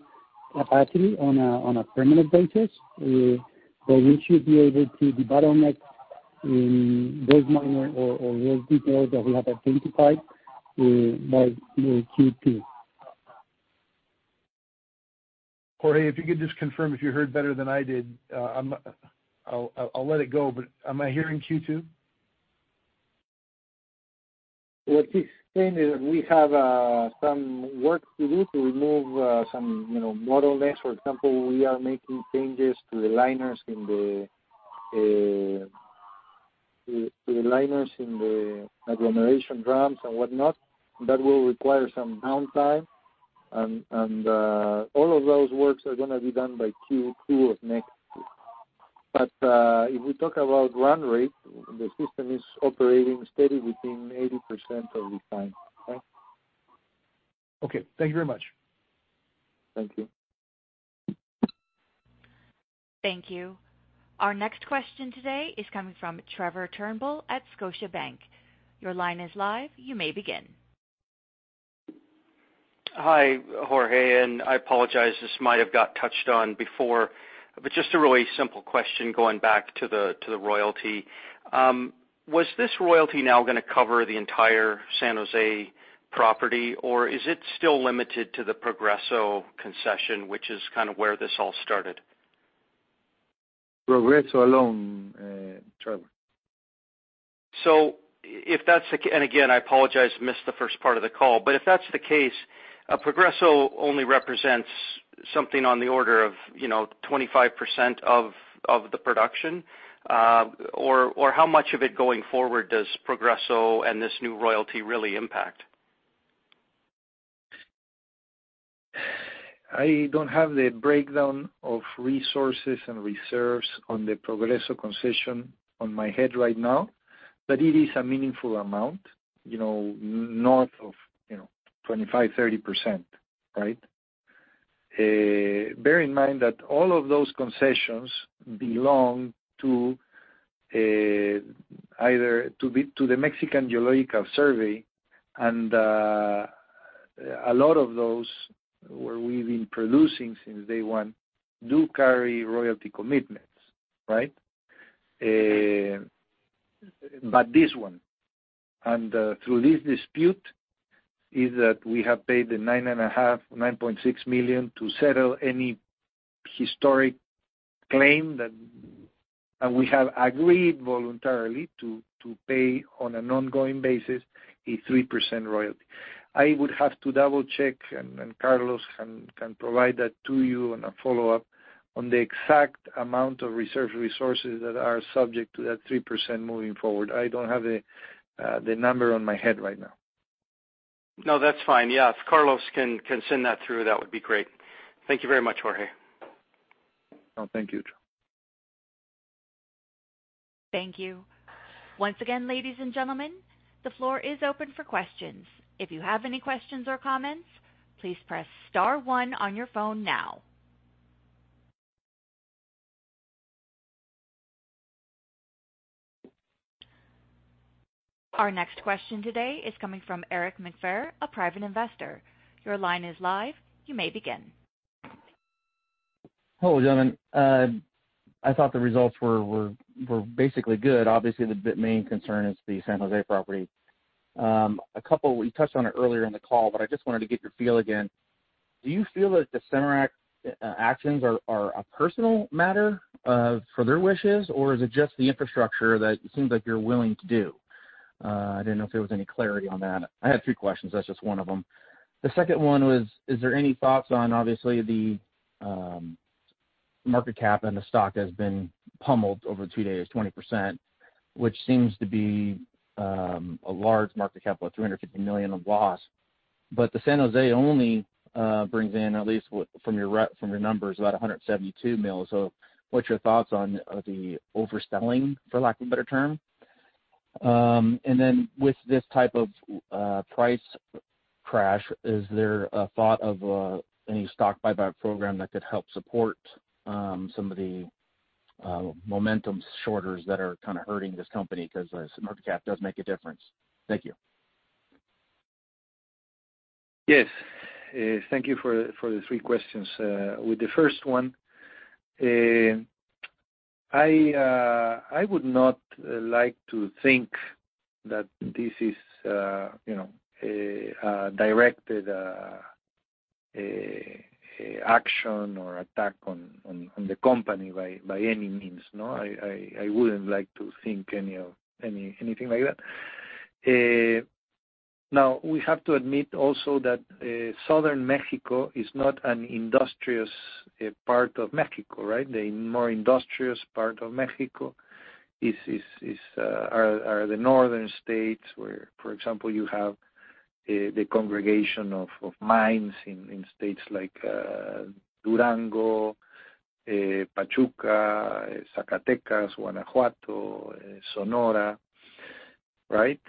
[SPEAKER 4] capacity on a permanent basis. We should be able to debottleneck those minor or those details that we have identified by Q2.
[SPEAKER 12] Jorge, if you could just confirm if you heard better than I did, I'll let it go, but am I hearing Q2?
[SPEAKER 3] What he's saying is we have some work to do to remove some, you know, bottlenecks. For example, we are making changes to the liners in the agglomeration drums and whatnot. That will require some downtime and all of those works are gonna be done by Q2 of next year. If we talk about run rate, the system is operating steady within 80% of design. Okay?
[SPEAKER 12] Okay. Thank you very much.
[SPEAKER 3] Thank you.
[SPEAKER 1] Thank you. Our next question today is coming from Trevor Turnbull at Scotiabank. Your line is live. You may begin.
[SPEAKER 13] Hi, Jorge, and I apologize, this might have got touched on before, but just a really simple question going back to the royalty. Was this royalty now gonna cover the entire San Jose property, or is it still limited to the Progreso concession, which is kind of where this all started?
[SPEAKER 3] Progreso alone, Trevor.
[SPEAKER 13] I apologize. I missed the first part of the call, but if that's the case, Progreso only represents something on the order of, you know, 25% of the production, or how much of it going forward does Progreso and this new royalty really impact?
[SPEAKER 3] I don't have the breakdown of resources and reserves on the Progreso concession off the top of my head right now, but it is a meaningful amount, you know, north of, you know, 25%-30%, right? Bear in mind that all of those concessions belong to the Mexican Geological Survey, and a lot of those where we've been producing since day one do carry royalty commitments, right? But this one, and through this dispute, is that we have paid the 9.6 million to settle any historic claim. We have agreed voluntarily to pay on an ongoing basis a 3% royalty. I would have to double-check, and Carlos can provide that to you on a follow-up on the exact amount of reserve resources that are subject to that 3% moving forward. I don't have the number on my head right now.
[SPEAKER 13] No, that's fine. Yes, if Carlos can send that through, that would be great. Thank you very much, Jorge.
[SPEAKER 3] No, thank you, Trevor.
[SPEAKER 1] Thank you. Once again, ladies and gentlemen, the floor is open for questions. If you have any questions or comments, please press star one on your phone now. Our next question today is coming from Eric McFerrin, a private investor. Your line is live. You may begin.
[SPEAKER 14] Hello, gentlemen. I thought the results were basically good. Obviously, the main concern is the San Jose property. We touched on it earlier in the call, but I just wanted to get your feel again. Do you feel that the SEMARNAT actions are a personal matter for their wishes or is it just the infrastructure that it seems like you're willing to do? I didn't know if there was any clarity on that. I had three questions, that's just one of them. The second one was, is there any thoughts on obviously the market cap and the stock has been pummeled over two days, 20%, which seems to be a large market cap of $350 million of loss. The San Jose only brings in at least from your numbers about $172 million. What's your thoughts on the overselling, for lack of a better term? With this type of price crash, is there a thought of any stock buyback program that could help support some of the momentum shorters that are kind of hurting this company? Because the market cap does make a difference. Thank you.
[SPEAKER 3] Yes. Thank you for the three questions. With the first one, I would not like to think that this is, you know, a directed action or attack on the company by any means. No, I wouldn't like to think anything like that. Now, we have to admit also that southern Mexico is not an industrious part of Mexico, right? The more industrious part of Mexico are the northern states where, for example, you have the congregation of mines in states like Durango, Pachuca, Zacatecas, Guanajuato, Sonora. Right?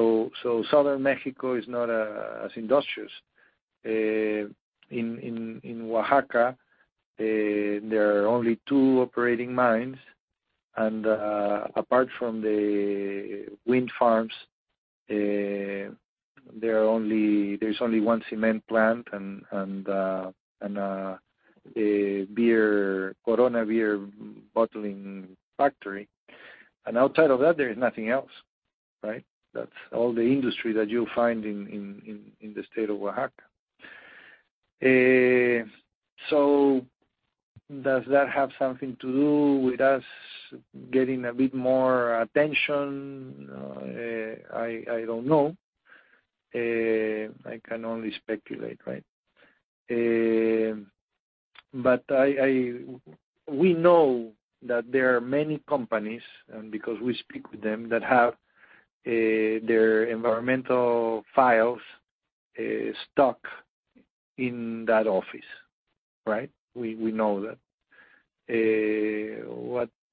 [SPEAKER 3] Southern Mexico is not as industrious. In Oaxaca, there are only two operating mines and, apart from the wind farms, there's only one cement plant and a beer, Corona beer bottling factory. Outside of that, there is nothing else, right? That's all the industry that you'll find in the state of Oaxaca. Does that have something to do with us getting a bit more attention? I don't know. I can only speculate, right? We know that there are many companies, and because we speak with them, that have their environmental files stuck in that office, right? We know that.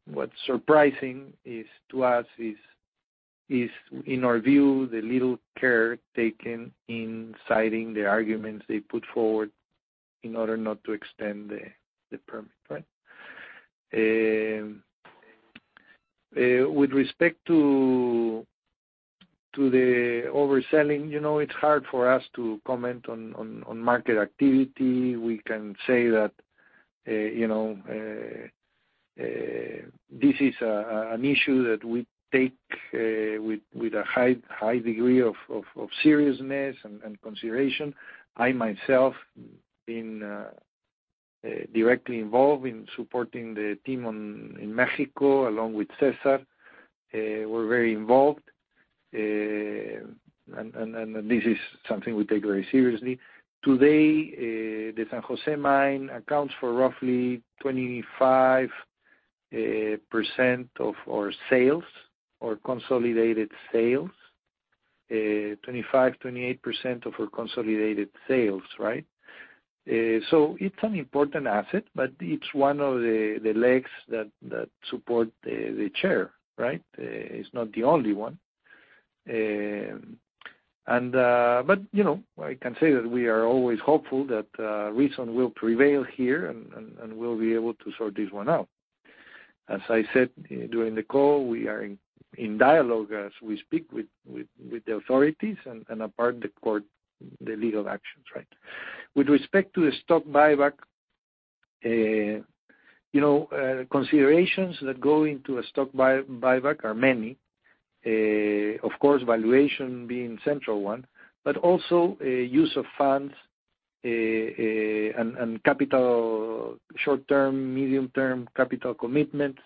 [SPEAKER 3] What's surprising is, to us, the little care taken in citing the arguments they put forward in order not to extend the permit, right? With respect to the overselling, you know, it's hard for us to comment on market activity. We can say that, you know, this is an issue that we take with a high degree of seriousness and consideration. I myself been directly involved in supporting the team in Mexico along with Cesar. We're very involved. This is something we take very seriously. Today, the San Jose Mine accounts for roughly 25% of our sales or consolidated sales. 25%-28% of our consolidated sales, right? It's an important asset, but it's one of the legs that support the chair, right? It's not the only one. You know, I can say that we are always hopeful that reason will prevail here and we'll be able to sort this one out. As I said during the call, we are in dialogue as we speak with the authorities and apart from the court, the legal actions, right? With respect to the stock buyback, you know, considerations that go into a stock buyback are many. Of course, valuation being central one, but also use of funds, and short-term, medium-term capital commitments.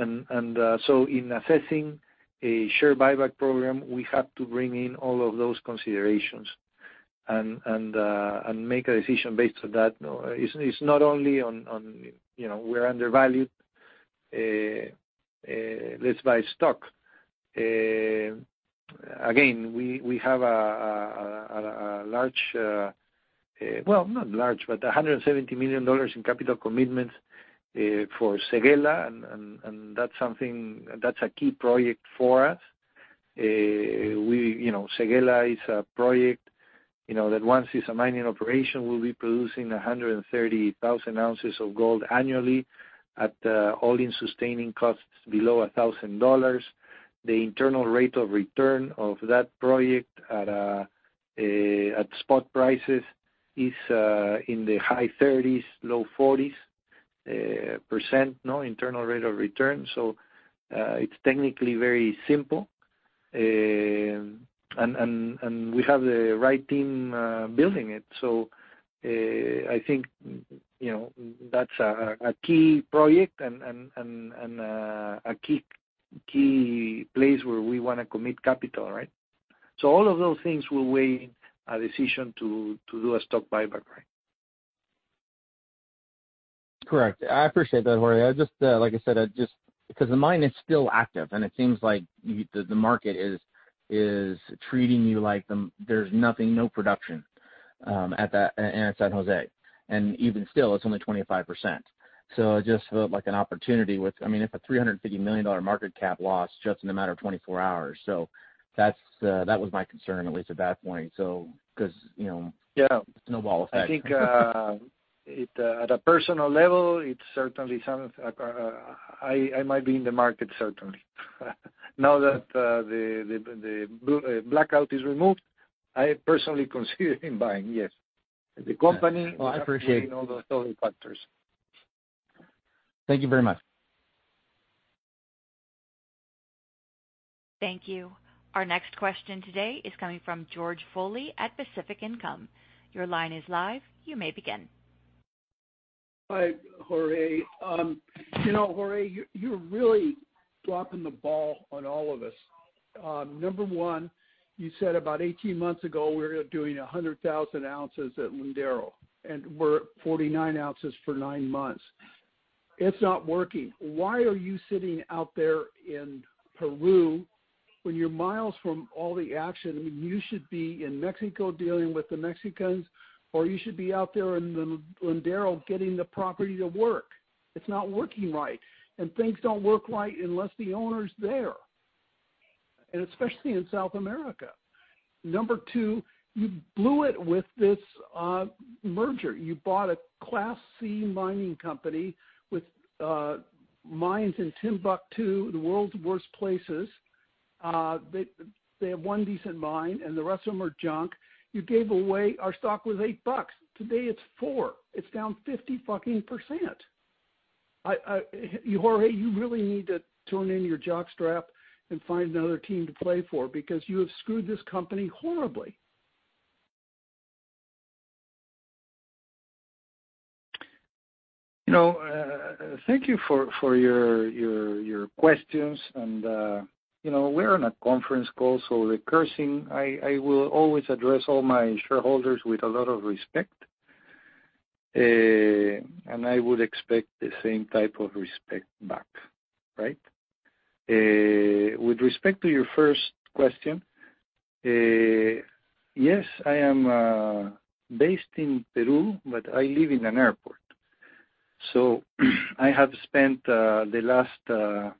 [SPEAKER 3] In assessing a share buyback program, we have to bring in all of those considerations and make a decision based on that. No, it's not only on, you know, we're undervalued, let's buy stock. Again, we have a large, well, not large, but $170 million in capital commitments for Séguéla, and that's something, that's a key project for us. We, you know, Séguéla is a project, you know, that once it's a mining operation, we'll be producing 130,000 ounces of gold annually at all-in sustaining costs below $1,000. The internal rate of return of that project at spot prices is in the high 30s-low 40s%. It's technically very simple. We have the right team building it. I think, you know, that's a key project and a key place where we wanna commit capital, right? All of those things will weigh a decision to do a stock buyback, right?
[SPEAKER 14] Correct. I appreciate that, Jorge. I just like I said, because the mine is still active, and it seems like the market is treating you like there's nothing, no production at that, in San Jose. Even still, it's only 25%. It just felt like an opportunity with, I mean, if a $350 million market cap loss just in a matter of 24 hours. That was my concern, at least at that point. Because, you know-
[SPEAKER 3] Yeah.
[SPEAKER 14] Snowball effect.
[SPEAKER 3] I think at a personal level it certainly sounds like I might be in the market, certainly. Now that the blackout is removed, I personally am considering buying. Yes. The company-
[SPEAKER 14] Well, I appreciate it.
[SPEAKER 3] all those other factors.
[SPEAKER 14] Thank you very much.
[SPEAKER 1] Thank you. Our next question today is coming from George Froly at Pacific Income. Your line is live. You may begin.
[SPEAKER 15] Hi, Jorge. You know, Jorge, you're really dropping the ball on all of us. Number one, you said about 18 months ago, we're doing 100,000 ounces at Lindero, and we're at 49 ounces for 9 months. It's not working. Why are you sitting out there in Peru when you're miles from all the action? I mean, you should be in Mexico dealing with the Mexicans, or you should be out there in the Lindero getting the property to work. It's not working right. Things don't work right unless the owner's there, and especially in South America. Number two, you blew it with this merger. You bought a Class C mining company with mines in Timbuktu, the world's worst places. They have one decent mine and the rest of them are junk. You gave away. Our stock was $8. Today, it's $4. It's down 50 fucking percent. Jorge, you really need to tune in your jockstrap and find another team to play for because you have screwed this company horribly.
[SPEAKER 3] You know, thank you for your questions. We're on a conference call, so the cursing, I will always address all my shareholders with a lot of respect. I would expect the same type of respect back, right? With respect to your first question, yes, I am based in Peru, but I live in an airport. So I have spent the last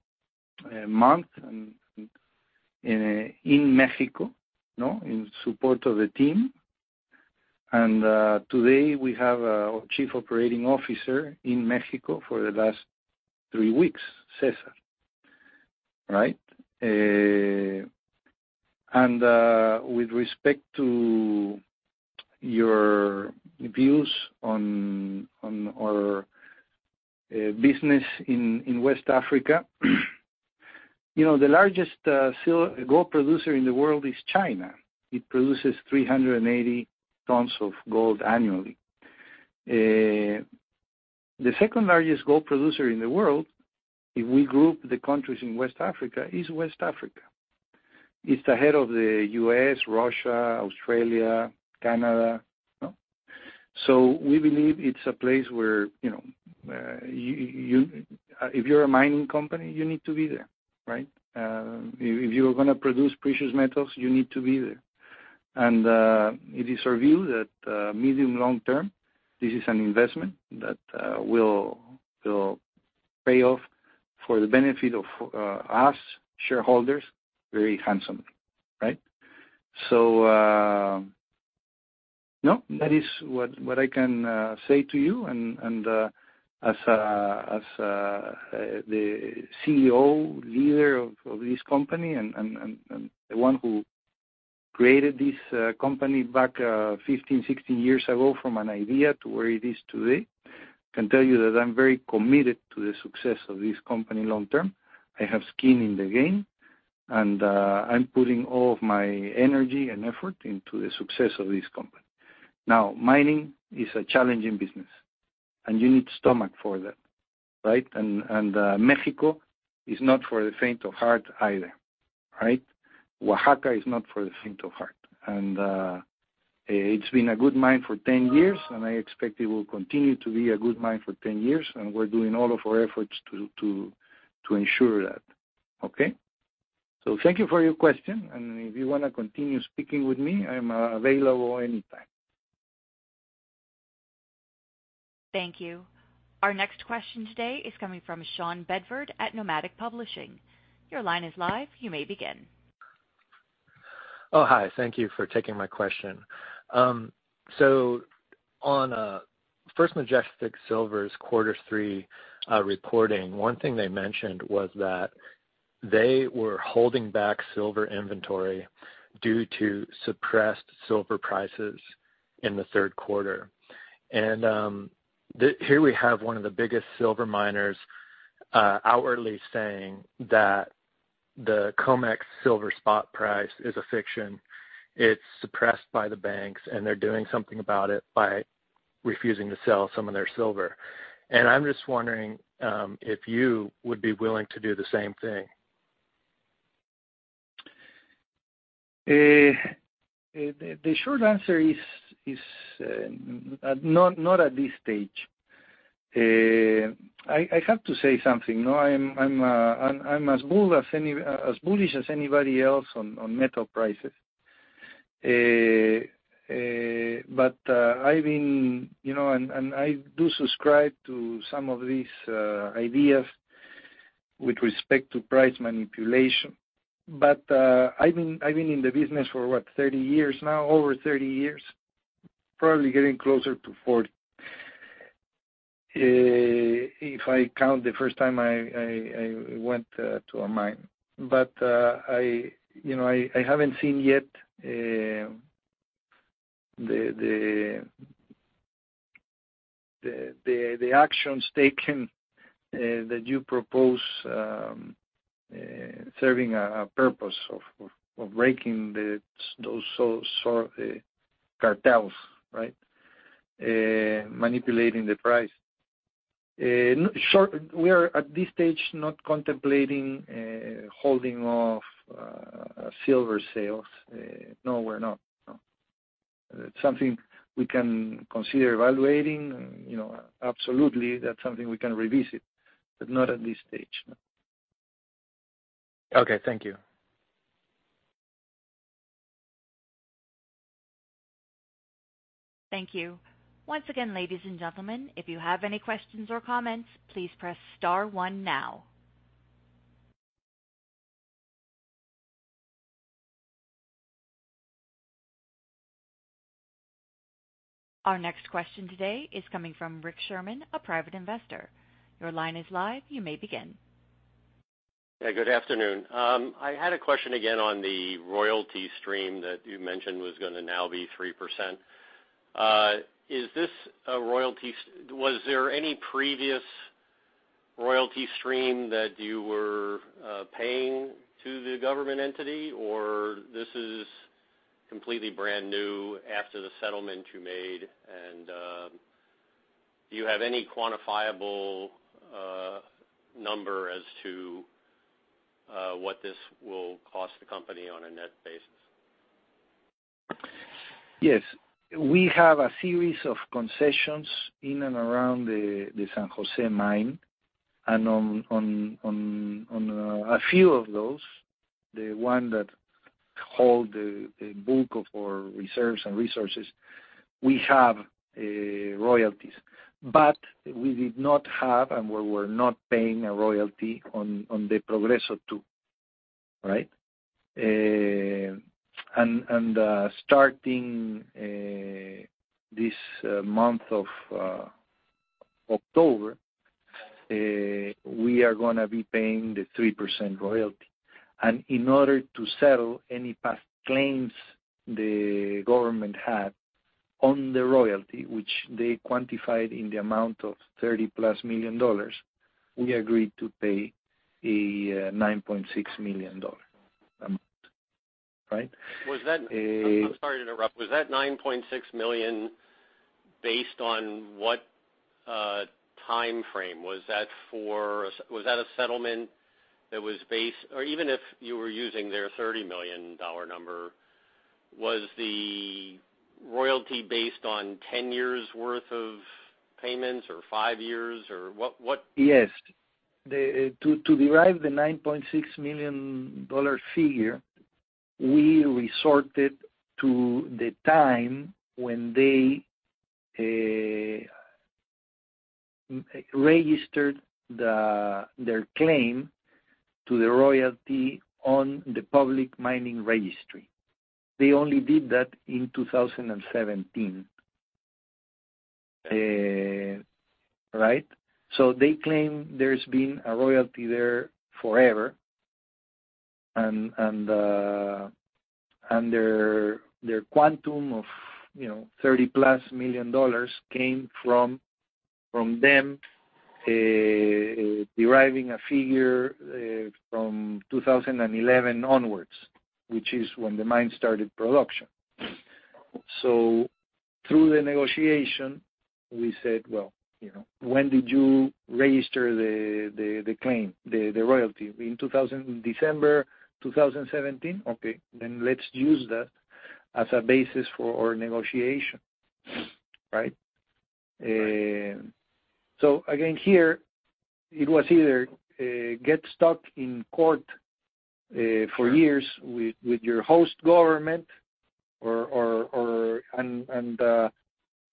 [SPEAKER 3] month in Mexico in support of the team. Today we have our Chief Operating Officer in Mexico for the last three weeks, Cesar. Right? With respect to your views on our business in West Africa. You know, the largest gold producer in the world is China. It produces 380 tons of gold annually. The second-largest gold producer in the world, if we group the countries in West Africa, is West Africa. It's ahead of the U.S., Russia, Australia, Canada. No. We believe it's a place where, you know, if you're a mining company, you need to be there, right? If you are gonna produce precious metals, you need to be there. It is our view that, medium long-term, this is an investment that will pay off for the benefit of us shareholders very handsomely, right? No, that is what I can say to you. As the CEO, leader of this company and the one who created this company back 15, 16 years ago from an idea to where it is today, can tell you that I'm very committed to the success of this company long term. I have skin in the game, I'm putting all of my energy and effort into the success of this company. Now, mining is a challenging business, and you need stomach for that, right? Mexico is not for the faint of heart either, right? Oaxaca is not for the faint of heart. It's been a good mine for 10 years, and I expect it will continue to be a good mine for 10 years, and we're doing all of our efforts to ensure that. Okay? Thank you for your question, and if you wanna continue speaking with me, I'm available anytime.
[SPEAKER 1] Thank you. Our next question today is coming from Sean Bedford at Nomadic Publishing. Your line is live. You may begin.
[SPEAKER 16] Oh, hi. Thank you for taking my question. So on First Majestic Silver's quarter three reporting, one thing they mentioned was that they were holding back silver inventory due to suppressed silver prices in the third quarter. Here we have one of the biggest silver miners outwardly saying that the COMEX silver spot price is a fiction. It's suppressed by the banks, and they're doing something about it by refusing to sell some of their silver. I'm just wondering if you would be willing to do the same thing.
[SPEAKER 3] The short answer is not at this stage. I have to say something. No, I'm as bullish as anybody else on metal prices. I've been, you know, and I do subscribe to some of these ideas with respect to price manipulation. I've been in the business for what, 30 years now, over 30 years, probably getting closer to 40, if I count the first time I went to a mine. I, you know, I haven't seen yet the actions taken that you propose serving a purpose of breaking those sort of cartels, right? Manipulating the price. Sure, we are at this stage not contemplating holding off silver sales. No, we're not. No. It's something we can consider evaluating, and, you know, absolutely, that's something we can revisit, but not at this stage, no.
[SPEAKER 16] Okay, thank you.
[SPEAKER 1] Thank you. Once again, ladies and gentlemen, if you have any questions or comments, please press star one now. Our next question today is coming from Rick Sherman, a private investor. Your line is live. You may begin.
[SPEAKER 17] Yeah, good afternoon. I had a question again on the royalty stream that you mentioned was gonna now be 3%. Is there any previous royalty stream that you were paying to the government entity, or is this completely brand new after the settlement you made? Do you have any quantifiable number as to what this will cost the company on a net basis?
[SPEAKER 3] Yes. We have a series of concessions in and around the San Jose Mine. On a few of those, the one that hold the bulk of our reserves and resources, we have royalties. We did not have and we were not paying a royalty on the Progreso too, right? Starting this month of October, we are gonna be paying the 3% royalty. In order to settle any past claims the government had on the royalty, which they quantified in the amount of $30+ million, we agreed to pay a $9.6 million amount, right?
[SPEAKER 17] Was that-
[SPEAKER 3] Uh-
[SPEAKER 17] I'm sorry to interrupt. Was that 9.6 million based on what timeframe? Was that a settlement, or even if you were using their $30 million number, was the royalty based on 10 years' worth of payments or five years? Or what?
[SPEAKER 3] Yes. To derive the $9.6 million figure, we resorted to the time when they registered their claim to the royalty on the public mining registry. They only did that in 2017. Right? They claim there's been a royalty there forever and their quantum of, you know, $30+ million came from them deriving a figure from 2011 onwards, which is when the mine started production. Through the negotiation, we said, "Well, you know, when did you register the claim, the royalty? In December 2017? Okay, then let's use that as a basis for our negotiation." Right?
[SPEAKER 17] Right.
[SPEAKER 3] Again, here, it was either get stuck in court.
[SPEAKER 17] Sure
[SPEAKER 3] for years with your host government or,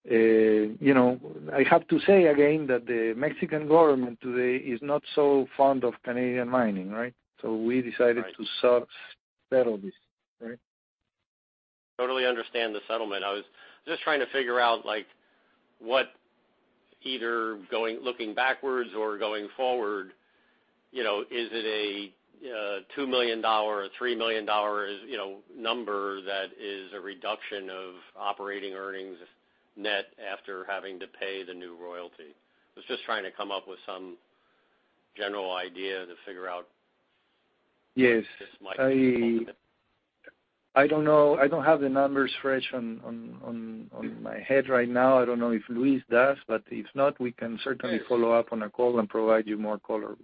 [SPEAKER 3] you know, I have to say again that the Mexican government today is not so fond of Canadian mining, right? We decided
[SPEAKER 17] Right
[SPEAKER 3] to settle this, right?
[SPEAKER 17] Totally understand the settlement. I was just trying to figure out, like what either going, looking backwards or going forward, you know, is it a $2 million or $3 million, you know, number that is a reduction of operating earnings net after having to pay the new royalty? I was just trying to come up with some general idea to figure out-
[SPEAKER 3] Yes.
[SPEAKER 17] This might.
[SPEAKER 3] I don't know. I don't have the numbers fresh on my head right now. I don't know if Luis does, but if not, we can certainly follow up on a call and provide you more color.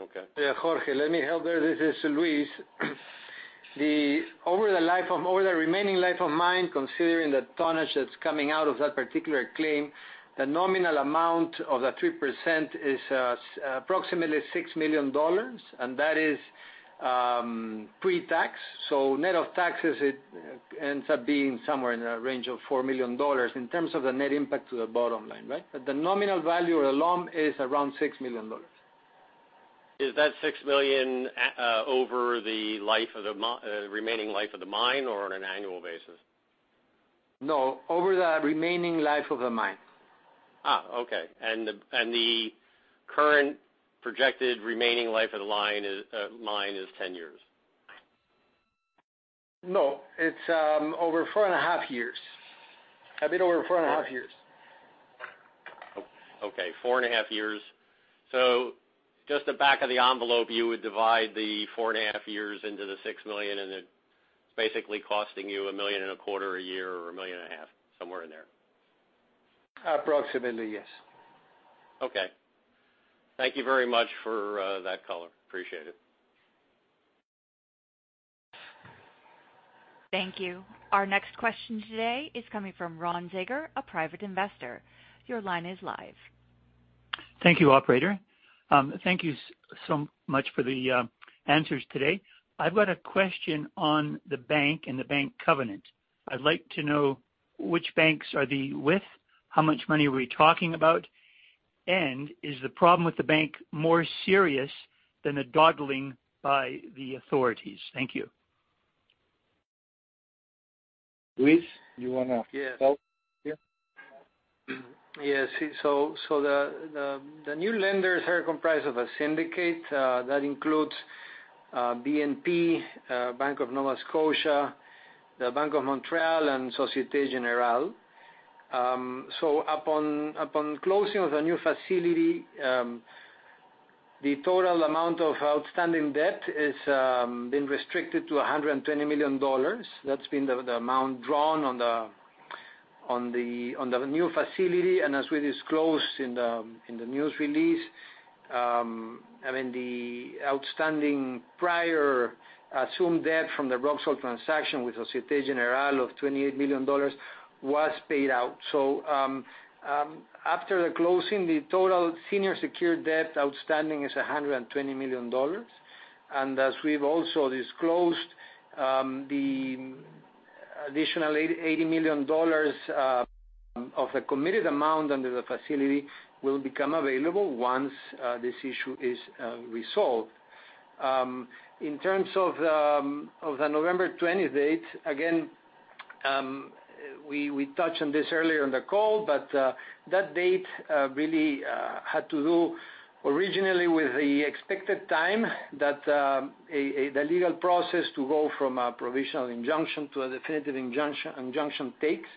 [SPEAKER 17] Okay.
[SPEAKER 7] Yeah, Jorge, let me help there. This is Luis. Over the remaining life of mine, considering the tonnage that's coming out of that particular claim, the nominal amount of the 3% is approximately $6 million, and that is pre-tax. Net of taxes, it ends up being somewhere in the range of $4 million in terms of the net impact to the bottom line, right? The nominal value alone is around $6 million.
[SPEAKER 17] Is that $6 million at over the remaining life of the mine or on an annual basis?
[SPEAKER 7] No, over the remaining life of the mine.
[SPEAKER 17] Okay. The current projected remaining life of the mine is 10 years.
[SPEAKER 7] No, it's over four and a half years. A bit over four and a half years.
[SPEAKER 17] Okay, four and a half years. Just the back of the envelope, you would divide the 4.5 years into the $6 million, and it's basically costing you $1.25 million a year or $1.5 million, somewhere in there.
[SPEAKER 7] Approximately, yes.
[SPEAKER 17] Okay. Thank you very much for that color. Appreciate it.
[SPEAKER 1] Thank you. Our next question today is coming from Ron Zager, a private investor. Your line is live.
[SPEAKER 18] Thank you, operator. Thank you so much for the answers today. I've got a question on the bank and the bank covenant. I'd like to know which banks are they with, how much money are we talking about, and is the problem with the bank more serious than the dawdling by the authorities? Thank you.
[SPEAKER 3] Luis, you wanna-
[SPEAKER 7] Yes
[SPEAKER 3] Talk here?
[SPEAKER 7] Yes, the new lenders are comprised of a syndicate that includes BNP, Bank of Nova Scotia, the Bank of Montreal, and Société Générale. Upon closing of the new facility, the total amount of outstanding debt has been restricted to $120 million. That's the amount drawn on the new facility. As we disclosed in the news release, I mean, the outstanding prior assumed debt from the Roxgold transaction with Société Générale of $28 million was paid out. After the closing, the total senior secured debt outstanding is $120 million. As we've also disclosed, the additional $80 million of the committed amount under the facility will become available once this issue is resolved. In terms of the November 20 date, again, we touched on this earlier in the call, but that date really had to do originally with the expected time that the legal process to go from a provisional injunction to a definitive injunction takes.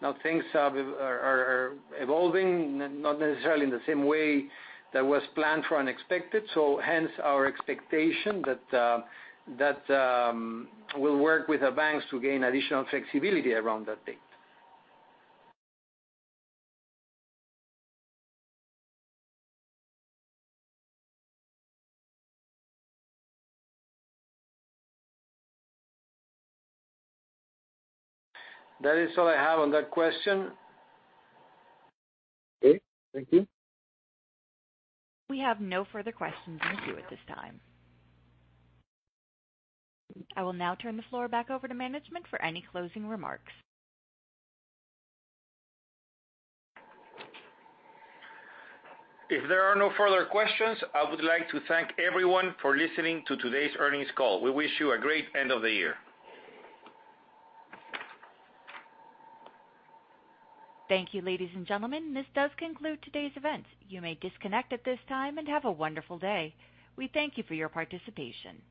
[SPEAKER 7] Now, things are evolving, not necessarily in the same way that was planned for and expected, so hence our expectation that we'll work with the banks to gain additional flexibility around that date. That is all I have on that question.
[SPEAKER 3] Okay. Thank you.
[SPEAKER 1] We have no further questions in the queue at this time. I will now turn the floor back over to management for any closing remarks.
[SPEAKER 7] If there are no further questions, I would like to thank everyone for listening to today's earnings call. We wish you a great end of the year.
[SPEAKER 1] Thank you, ladies and gentlemen. This does conclude today's event. You may disconnect at this time, and have a wonderful day. We thank you for your participation.